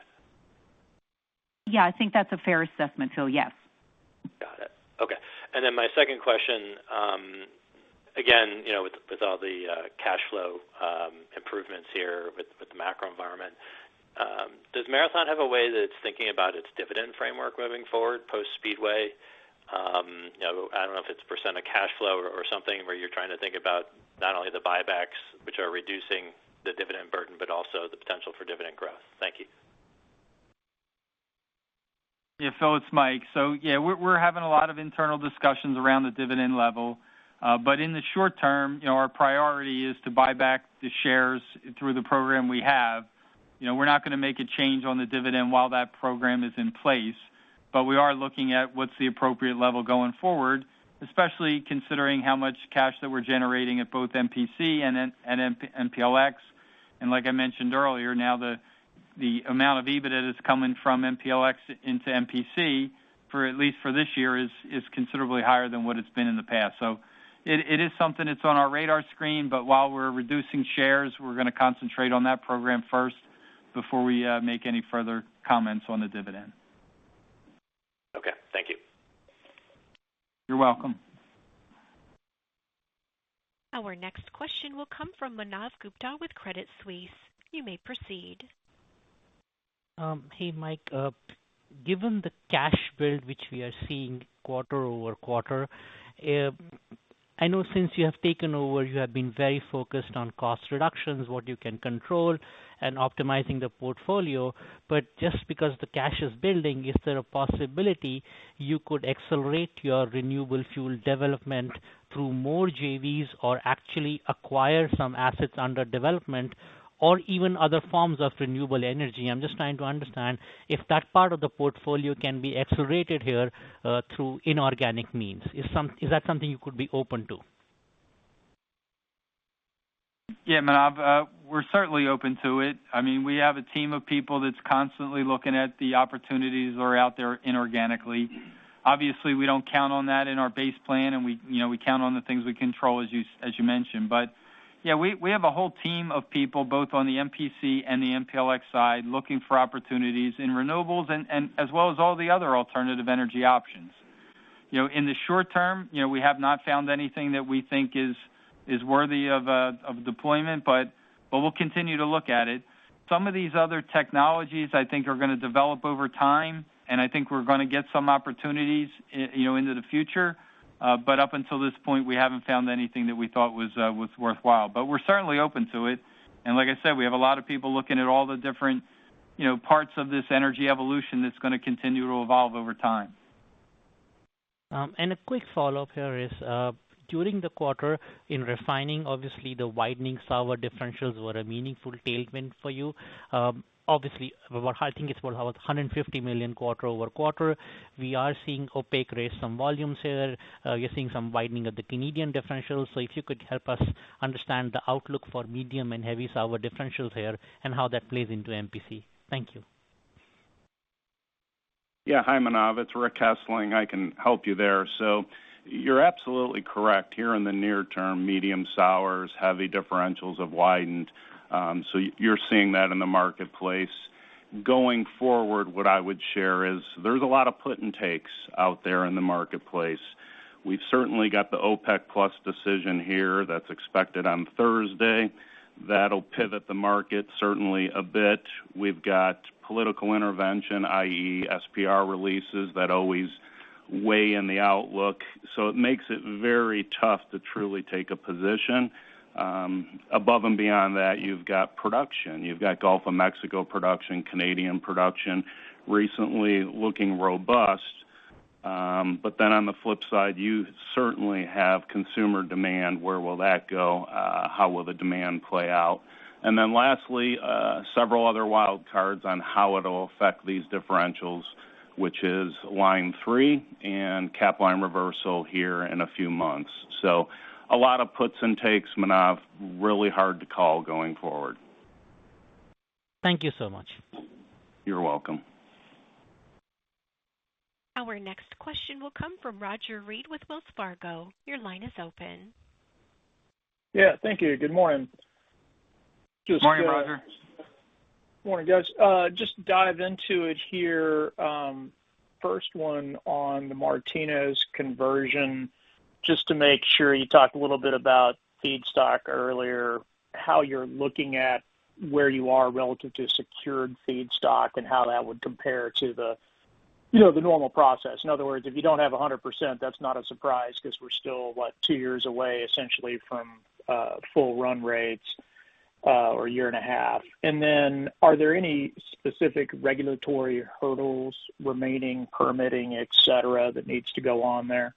Yeah, I think that's a fair assessment, Phil. Yes. Got it. Okay. My second question, again, you know, with all the cash flow improvements here with the macro environment, does Marathon have a way that it's thinking about its dividend framework moving forward post Speedway? You know, I don't know if it's percent of cash flow or something where you're trying to think about not only the buybacks, which are reducing the dividend burden, but also the potential for dividend growth. Thank you. Yeah. Phil, it's Mike. Yeah, we're having a lot of internal discussions around the dividend level. In the short term, you know, our priority is to buy back the shares through the program we have. You know, we're not gonna make a change on the dividend while that program is in place. We are looking at what's the appropriate level going forward, especially considering how much cash that we're generating at both MPC and MPLX. Like I mentioned earlier, now the amount of EBITDA that's coming from MPLX into MPC for at least this year is considerably higher than what it's been in the past. It is something that's on our radar screen, but while we're reducing shares, we're gonna concentrate on that program first before we make any further comments on the dividend. Okay. Thank you. You're welcome. Our next question will come from Manav Gupta with Credit Suisse. You may proceed. Hey, Mike. Given the cash build which we are seeing quarter-over-quarter, I know since you have taken over, you have been very focused on cost reductions, what you can control, and optimizing the portfolio. Just because the cash is building, is there a possibility you could accelerate your renewable fuel development through more JVs or actually acquire some assets under development or even other forms of renewable energy? I'm just trying to understand if that part of the portfolio can be accelerated here, through inorganic means. Is that something you could be open to? Yeah, Manav, we're certainly open to it. I mean, we have a team of people that's constantly looking at the opportunities that are out there inorganically. Obviously, we don't count on that in our base plan, and we, you know, we count on the things we control as you mentioned. Yeah, we have a whole team of people, both on the MPC and the MPLX side, looking for opportunities in renewables and as well as all the other alternative energy options. You know, in the short term, you know, we have not found anything that we think is worthy of deployment, but we'll continue to look at it. Some of these other technologies I think are gonna develop over time, and I think we're gonna get some opportunities, you know, into the future. But up until this point, we haven't found anything that we thought was worthwhile. We're certainly open to it. Like I said, we have a lot of people looking at all the different, you know, parts of this energy evolution that's gonna continue to evolve over time. A quick follow-up here is, during the quarter in refining, obviously the widening sour differentials were a meaningful tailwind for you. Obviously, I think it's about $150 million quarter-over-quarter. We are seeing OPEC raise some volumes here. You're seeing some widening of the Canadian differentials. If you could help us understand the outlook for medium and heavy sour differentials here and how that plays into MPC. Thank you. Yeah. Hi, Manav. It's Rick Hessling. I can help you there. You're absolutely correct. Here in the near term, medium sours, heavy differentials have widened. You're seeing that in the marketplace. Going forward, what I would share is there's a lot of put and takes out there in the marketplace. We've certainly got the OPEC+ decision here that's expected on Thursday. That'll pivot the market certainly a bit. We've got political intervention, i.e., SPR releases that always weigh in the outlook, so it makes it very tough to truly take a position. Above and beyond that, you've got production. You've got Gulf of Mexico production, Canadian production recently looking robust. On the flip side, you certainly have consumer demand. Where will that go? How will the demand play out? Several other wild cards on how it'll affect these differentials, which is Line 3 and Capline reversal here in a few months. A lot of puts and takes, Manav. Really hard to call going forward. Thank you so much. You're welcome. Our next question will come from Roger Read with Wells Fargo. Your line is open. Yeah. Thank you. Good morning. Good morning, Roger. Morning, guys. Just dive into it here. First one on the Martinez conversion, just to make sure you talk a little bit about feedstock earlier, how you're looking at where you are relative to secured feedstock and how that would compare to the, you know, the normal process. In other words, if you don't have 100%, that's not a surprise 'cause we're still two years away, essentially from full run rates, or a year and a half. Then are there any specific regulatory hurdles remaining, permitting, et cetera, that needs to go on there?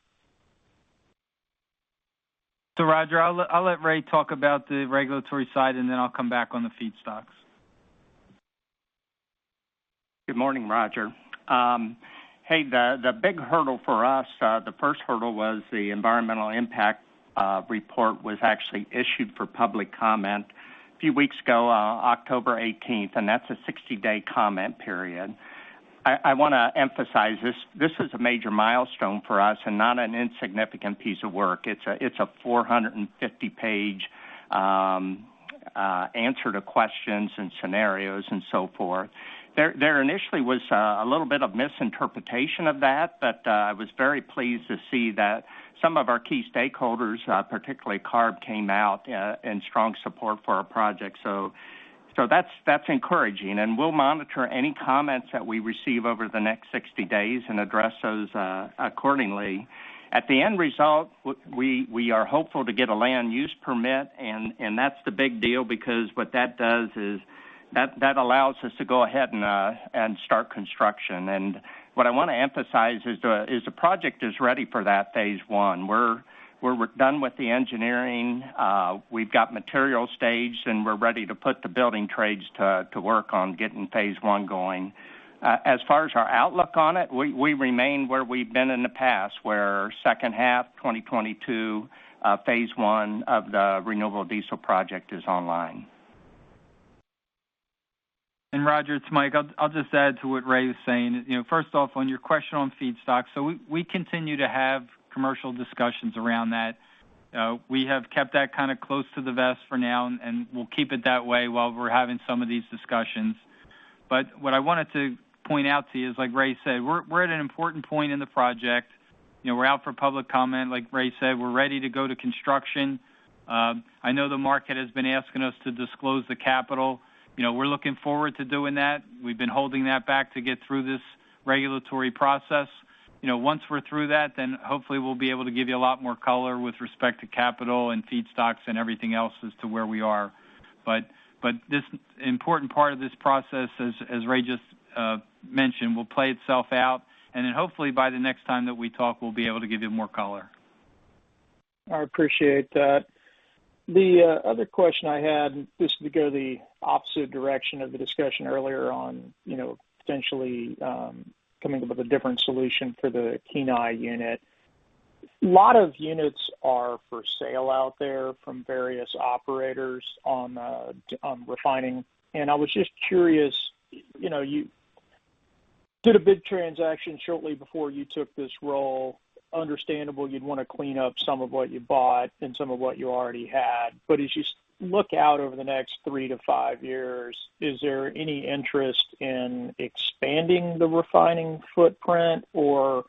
Roger, I'll let Ray talk about the regulatory side, and then I'll come back on the feedstocks. Good morning, Roger. Hey, the big hurdle for us, the first hurdle was the Environmental Impact Report was actually issued for public comment a few weeks ago on October 18th, and that's a 60-day comment period. I wanna emphasize this. This is a major milestone for us and not an insignificant piece of work. It's a 450-page answer to questions and scenarios and so forth. There initially was a little bit of misinterpretation of that, but I was very pleased to see that some of our key stakeholders, particularly CARB, came out in strong support for our project. So that's encouraging, and we'll monitor any comments that we receive over the next 60 days and address those accordingly. At the end result, we are hopeful to get a land use permit, and that's the big deal because what that does is that allows us to go ahead and start construction. What I wanna emphasize is the project is ready for that phase one. We're done with the engineering, we've got material staged, and we're ready to put the building trades to work on getting phase one going. As far as our outlook on it, we remain where we've been in the past, where second half 2022, phase one of the renewable diesel project is online. Roger, it's Mike. I'll just add to what Ray is saying. You know, first off, on your question on feedstock. We continue to have commercial discussions around that. We have kept that kinda close to the vest for now, and we'll keep it that way while we're having some of these discussions. What I wanted to point out to you is, like Ray said, we're at an important point in the project. You know, we're out for public comment. Like Ray said, we're ready to go to construction. I know the market has been asking us to disclose the capital. You know, we're looking forward to doing that. We've been holding that back to get through this regulatory process. You know, once we're through that, then hopefully we'll be able to give you a lot more color with respect to capital and feedstocks and everything else as to where we are. This important part of this process, as Ray just mentioned, will play itself out, and then hopefully by the next time that we talk, we'll be able to give you more color. I appreciate that. The other question I had, just to go the opposite direction of the discussion earlier on, you know, potentially coming up with a different solution for the Kenai unit. A lot of units are for sale out there from various operators on refining, and I was just curious, you know, you did a big transaction shortly before you took this role. Understandable you'd wanna clean up some of what you bought and some of what you already had. As you look out over the next 3-5 years, is there any interest in expanding the refining footprint? Or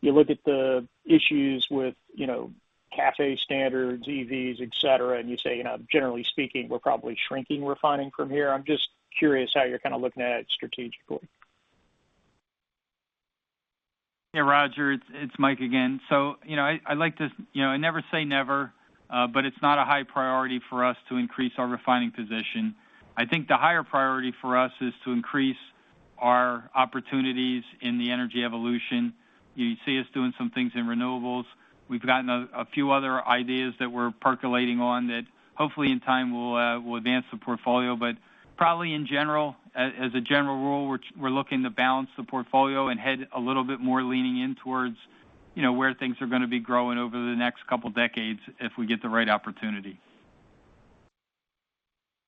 you look at the issues with, you know- CAFE standards, EVs, et cetera, and you say, you know, generally speaking, we're probably shrinking refining from here. I'm just curious how you're kind of looking at it strategically. Yeah, Roger, it's Mike again. You know, I like to, you know, I never say never, but it's not a high priority for us to increase our refining position. I think the higher priority for us is to increase our opportunities in the energy evolution. You see us doing some things in renewables. We've gotten a few other ideas that we're percolating on that hopefully in time will advance the portfolio. Probably in general, as a general rule, we're looking to balance the portfolio and head a little bit more leaning in towards, you know, where things are gonna be growing over the next couple decades, if we get the right opportunity.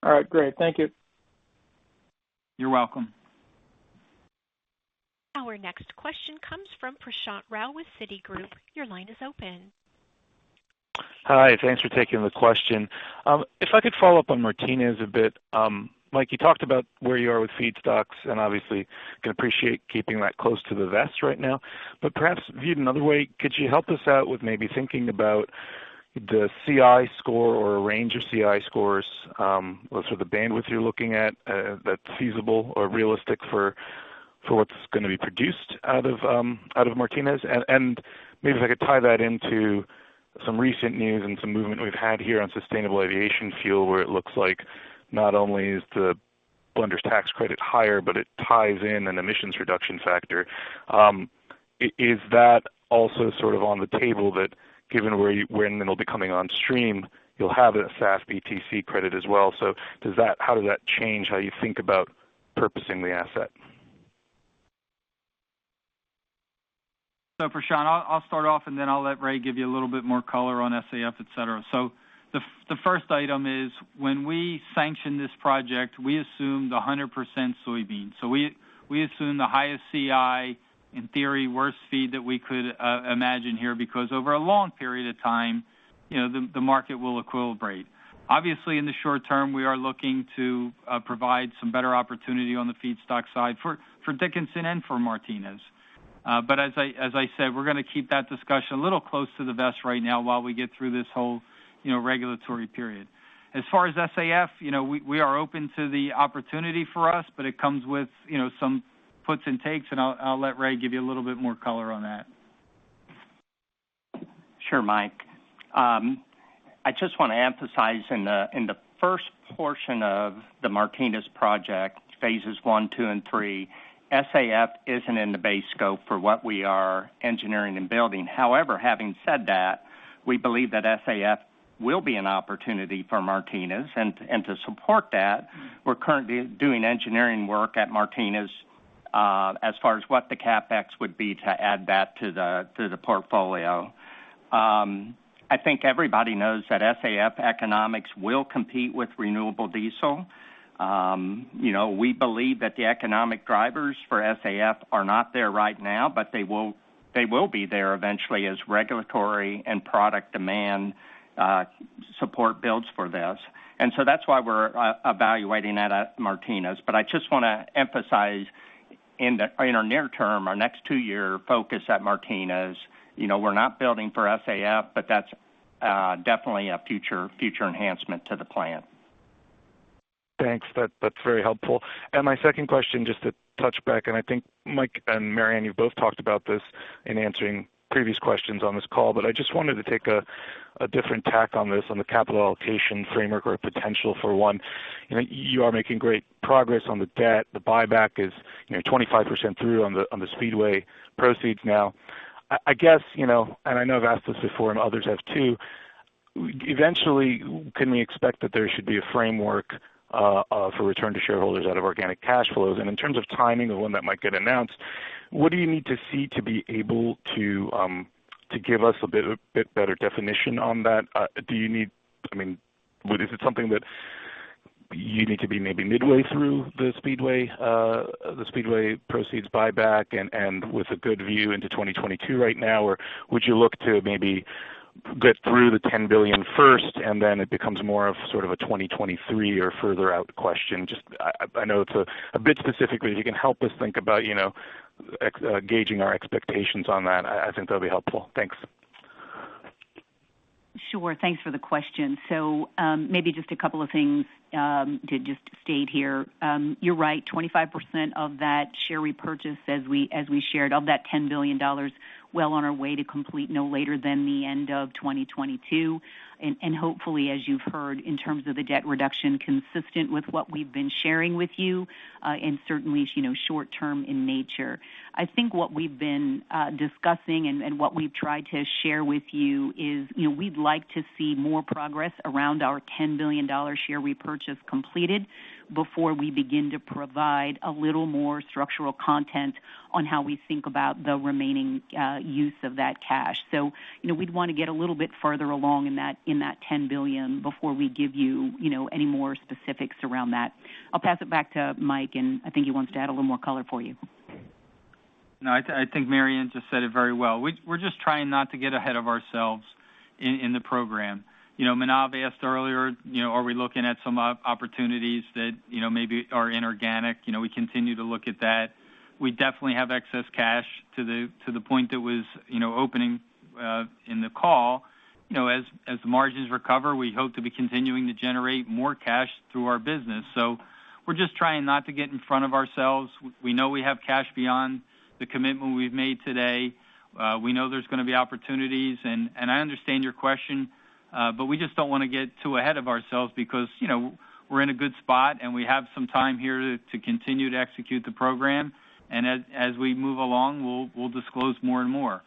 All right, great. Thank you. You're welcome. Our next question comes from Prashant Rao with Citigroup. Your line is open. Hi. Thanks for taking the question. If I could follow up on Martinez a bit. Mike, you talked about where you are with feedstocks, and obviously I can appreciate keeping that close to the vest right now. Perhaps viewed another way, could you help us out with maybe thinking about the CI score or a range of CI scores, or sort of the bandwidth you're looking at, that's feasible or realistic for what's gonna be produced out of Martinez? Maybe if I could tie that into some recent news and some movement we've had here on sustainable aviation fuel, where it looks like not only is the Blenders' Tax Credit higher, but it ties in an emissions reduction factor. Is that also sort of on the table that given where, when it'll be coming on stream, you'll have a SAF BTC credit as well? How does that change how you think about purposing the asset? Prashant, I'll start off, and then I'll let Ray give you a little bit more color on SAF, et cetera. The first item is when we sanctioned this project, we assumed 100% soybeans. We assumed the highest CI, in theory, worst feed that we could imagine here, because over a long period of time, you know, the market will equilibrate. Obviously, in the short term, we are looking to provide some better opportunity on the feedstock side for Dickinson and for Martinez. But as I said, we're gonna keep that discussion a little close to the vest right now while we get through this whole, you know, regulatory period. As far as SAF, you know, we are open to the opportunity for us, but it comes with, you know, some puts and takes, and I'll let Ray give you a little bit more color on that. Sure, Mike. I just wanna emphasize in the first portion of the Martinez project, phases I, II, and III, SAF isn't in the base scope for what we are engineering and building. However, having said that, we believe that SAF will be an opportunity for Martinez. To support that, we're currently doing engineering work at Martinez as far as what the CapEx would be to add that to the portfolio. I think everybody knows that SAF economics will compete with renewable diesel. You know, we believe that the economic drivers for SAF are not there right now, but they will be there eventually as regulatory and product demand support builds for this. That's why we're evaluating that at Martinez. I just wanna emphasize in our near term, our next two-year focus at Martinez, you know, we're not building for SAF, but that's definitely a future enhancement to the plan. Thanks. That's very helpful. My second question, just to touch back, and I think Mike and Maryann, you've both talked about this in answering previous questions on this call, but I just wanted to take a different tack on this on the capital allocation framework or potential for one. You know, you are making great progress on the debt. The buyback is, you know, 25% through on the Speedway proceeds now. I guess, you know, and I know I've asked this before and others have too, eventually, can we expect that there should be a framework for return to shareholders out of organic cash flows? In terms of timing of when that might get announced, what do you need to see to be able to give us a bit better definition on that? I mean, is it something that you need to be maybe midway through the Speedway proceeds buyback and with a good view into 2022 right now? Or would you look to maybe get through the $10 billion first, and then it becomes more of sort of a 2023 or further out question? Just, I know it's a bit specific, but if you can help us think about, you know, gauging our expectations on that, I think that'll be helpful. Thanks. Sure. Thanks for the question. Maybe just a couple of things to just state here. You're right, 25% of that share repurchase as we shared of that $10 billion, well on our way to complete no later than the end of 2022. Hopefully, as you've heard, in terms of the debt reduction consistent with what we've been sharing with you, and certainly is, you know, short term in nature. I think what we've been discussing and what we've tried to share with you is, you know, we'd like to see more progress around our $10 billion share repurchase completed before we begin to provide a little more structural content on how we think about the remaining use of that cash. You know, we'd wanna get a little bit further along in that, in that $10 billion before we give you know, any more specifics around that. I'll pass it back to Mike, and I think he wants to add a little more color for you. No, I think Maryann just said it very well. We're just trying not to get ahead of ourselves in the program. You know, Manav asked earlier, you know, are we looking at some opportunities that, you know, maybe are inorganic? You know, we continue to look at that. We definitely have excess cash to the point that was, you know, opening in the call. You know, as margins recover, we hope to be continuing to generate more cash through our business. We're just trying not to get in front of ourselves. We know we have cash beyond the commitment we've made today. We know there's gonna be opportunities, and I understand your question, but we just don't wanna get too ahead of ourselves because, you know, we're in a good spot and we have some time here to continue to execute the program. As we move along, we'll disclose more and more.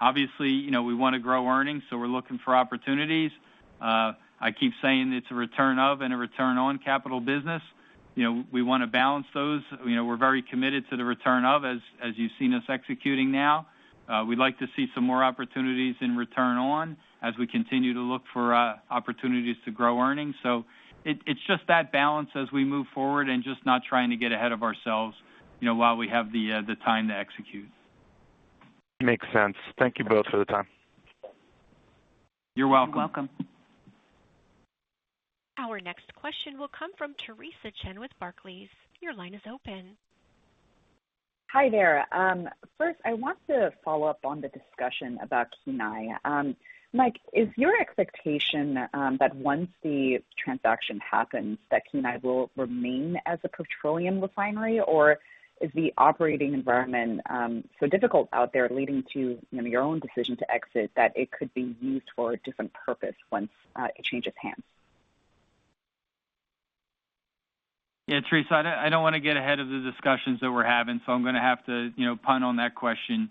Obviously, you know, we wanna grow earnings, so we're looking for opportunities. I keep saying it's a return of and a return on capital business. You know, we wanna balance those. You know, we're very committed to the return of, as you've seen us executing now. We'd like to see some more opportunities in return on as we continue to look for opportunities to grow earnings. It's just that balance as we move forward and just not trying to get ahead of ourselves, you know, while we have the time to execute. Makes sense. Thank you both for the time. You're welcome. You're welcome. Our next question will come from Theresa Chen with Barclays. Your line is open. Hi there. First, I want to follow up on the discussion about Kenai. Mike, is your expectation that once the transaction happens, that Kenai will remain as a petroleum refinery? Or is the operating environment so difficult out there leading to, you know, your own decision to exit, that it could be used for a different purpose once it changes hands? Yeah, Theresa, I don't wanna get ahead of the discussions that we're having, so I'm gonna have to, you know, punt on that question.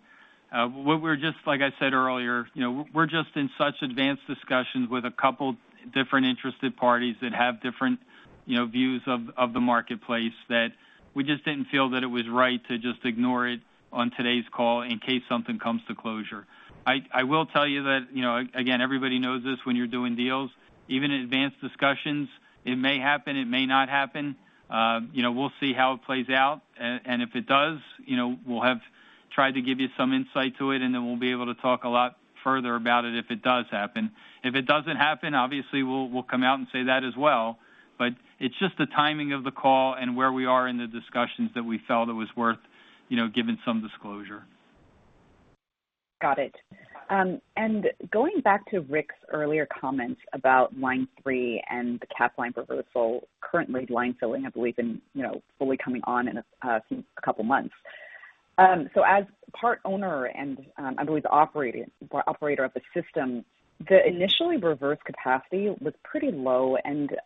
Like I said earlier, you know, we're just in such advanced discussions with a couple different interested parties that have different, you know, views of the marketplace, that we just didn't feel that it was right to just ignore it on today's call in case something comes to closure. I will tell you that, you know, again, everybody knows this, when you're doing deals, even in advanced discussions, it may happen, it may not happen. You know, we'll see how it plays out. If it does, you know, we'll have tried to give you some insight to it, and then we'll be able to talk a lot further about it if it does happen. If it doesn't happen, obviously, we'll come out and say that as well. It's just the timing of the call and where we are in the discussions that we felt it was worth, you know, giving some disclosure. Got it. Going back to Rick's earlier comments about Line 3 and the Capline reversal, currently line filling, I believe, and, you know, fully coming on in a couple months. So as part owner and, I believe operator of the system, the initially reverse capacity was pretty low.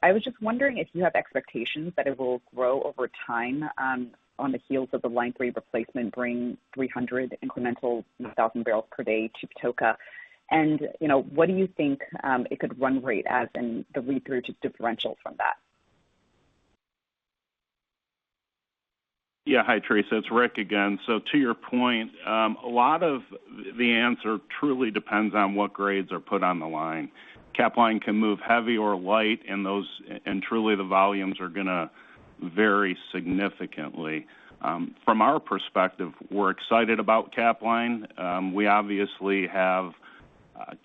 I was just wondering if you have expectations that it will grow over time, on the heels of the Line 3 replacement, bring 300 incremental thousand barrels per day to Patoka. You know, what do you think it could run rate as and the lead through to differential from that? Yeah. Hi, Theresa. It's Rick again. To your point, a lot of the answer truly depends on what grades are put on the line. Capline can move heavy or light, and truly the volumes are gonna vary significantly. From our perspective, we're excited about Capline. We obviously have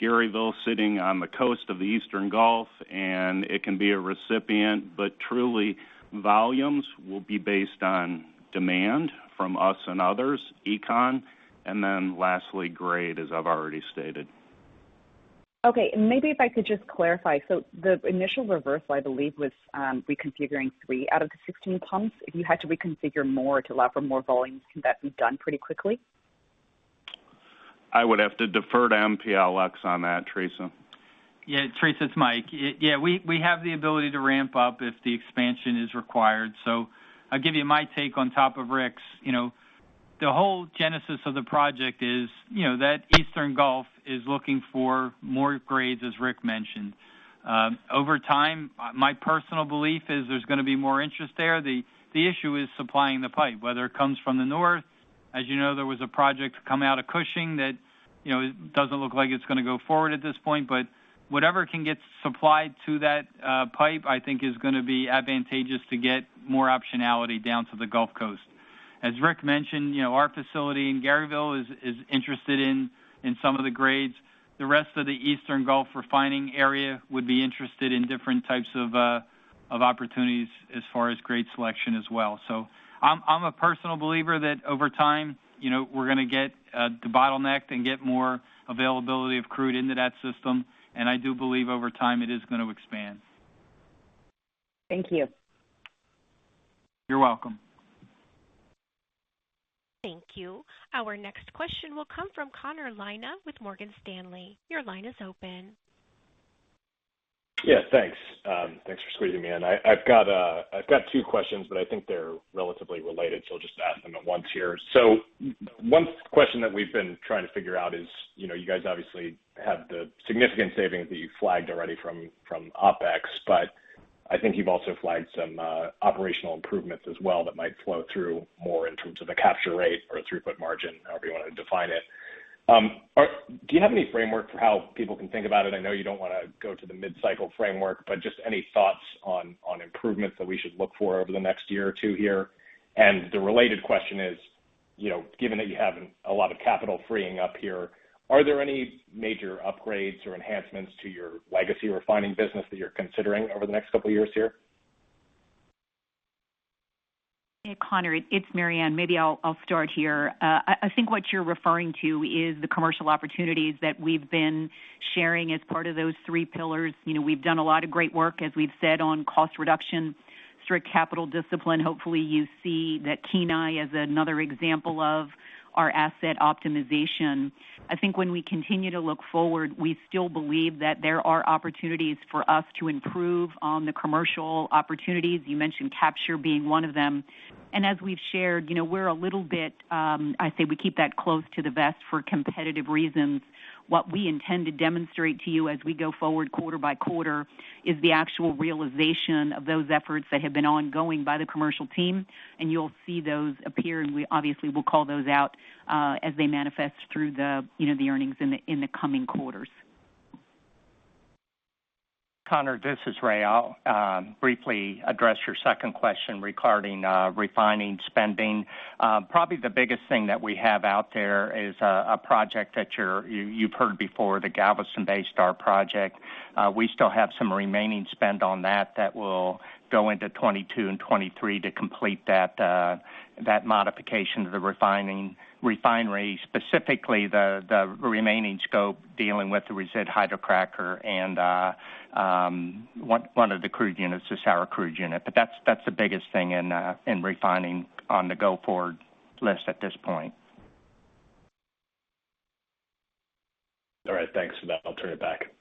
Garyville sitting on the coast of the Eastern Gulf, and it can be a recipient, but truly, volumes will be based on demand from us and others, econ, and then lastly, grade, as I've already stated. Okay. Maybe if I could just clarify. The initial reversal, I believe, was reconfiguring six out of the 16 pumps. If you had to reconfigure more to allow for more volumes, can that be done pretty quickly? I would have to defer to MPLX on that, Theresa. Yeah. Theresa, it's Mike. Yeah, we have the ability to ramp up if the expansion is required. I'll give you my take on top of Rick's. You know, the whole genesis of the project is, you know, that Eastern Gulf is looking for more grades, as Rick mentioned. Over time, my personal belief is there's gonna be more interest there. The issue is supplying the pipe, whether it comes from the north. As you know, there was a project to come out of Cushing that, you know, it doesn't look like it's gonna go forward at this point. Whatever can get supplied to that pipe, I think is gonna be advantageous to get more optionality down to the Gulf Coast. As Rick mentioned, you know, our facility in Garyville is interested in some of the grades. The rest of the Eastern Gulf refining area would be interested in different types of opportunities as far as grade selection as well. I'm a personal believer that over time, you know, we're gonna get de-bottlenecked and get more availability of crude into that system. I do believe over time it is gonna expand. Thank you. You're welcome. Thank you. Our next question will come from Connor Lynagh with Morgan Stanley. Your line is open. Yeah, thanks. Thanks for squeezing me in. I've got two questions, but I think they're relatively related, so I'll just ask them at once here. One question that we've been trying to figure out is, you know, you guys obviously have the significant savings that you flagged already from OpEx, but I think you've also flagged some operational improvements as well that might flow through more in terms of the capture rate or a throughput margin, however you wanna define it. Do you have any framework for how people can think about it? I know you don't wanna go to the mid-cycle framework, but just any thoughts on improvements that we should look for over the next year or two here? The related question is, you know, given that you have a lot of capital freeing up here, are there any major upgrades or enhancements to your legacy refining business that you're considering over the next couple of years here? Hey, Connor, it's Maryann. Maybe I'll start here. I think what you're referring to is the commercial opportunities that we've been sharing as part of those three pillars. You know, we've done a lot of great work, as we've said, on cost reduction, strict capital discipline. Hopefully, you see that Kenai is another example of our asset optimization. I think when we continue to look forward, we still believe that there are opportunities for us to improve on the commercial opportunities. You mentioned capture being one of them. As we've shared, you know, we're a little bit, I say we keep that close to the vest for competitive reasons. What we intend to demonstrate to you as we go forward quarter by quarter is the actual realization of those efforts that have been ongoing by the commercial team, and you'll see those appear, and we obviously will call those out as they manifest through the, you know, the earnings in the coming quarters. Connor, this is Ray. I'll briefly address your second question regarding refining spending. Probably the biggest thing that we have out there is a project that you've heard before, the Galveston Bay Star project. We still have some remaining spend on that that will go into 2022 and 2023 to complete that modification to the refinery, specifically the remaining scope dealing with the resid hydrocracker and one of the crude units, the sour crude unit. That's the biggest thing in refining on the go-forward list at this point. All right. Thanks for that. I'll turn it back.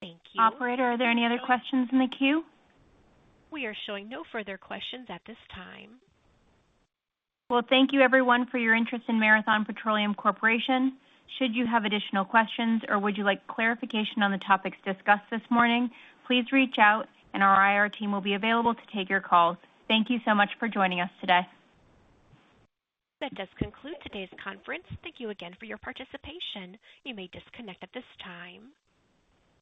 Thank you. Operator, are there any other questions in the queue? We are showing no further questions at this time. Well, thank you everyone for your interest in Marathon Petroleum Corporation. Should you have additional questions or would you like clarification on the topics discussed this morning, please reach out and our IR team will be available to take your calls. Thank you so much for joining us today. That does conclude today's conference. Thank you again for your participation. You may disconnect at this time.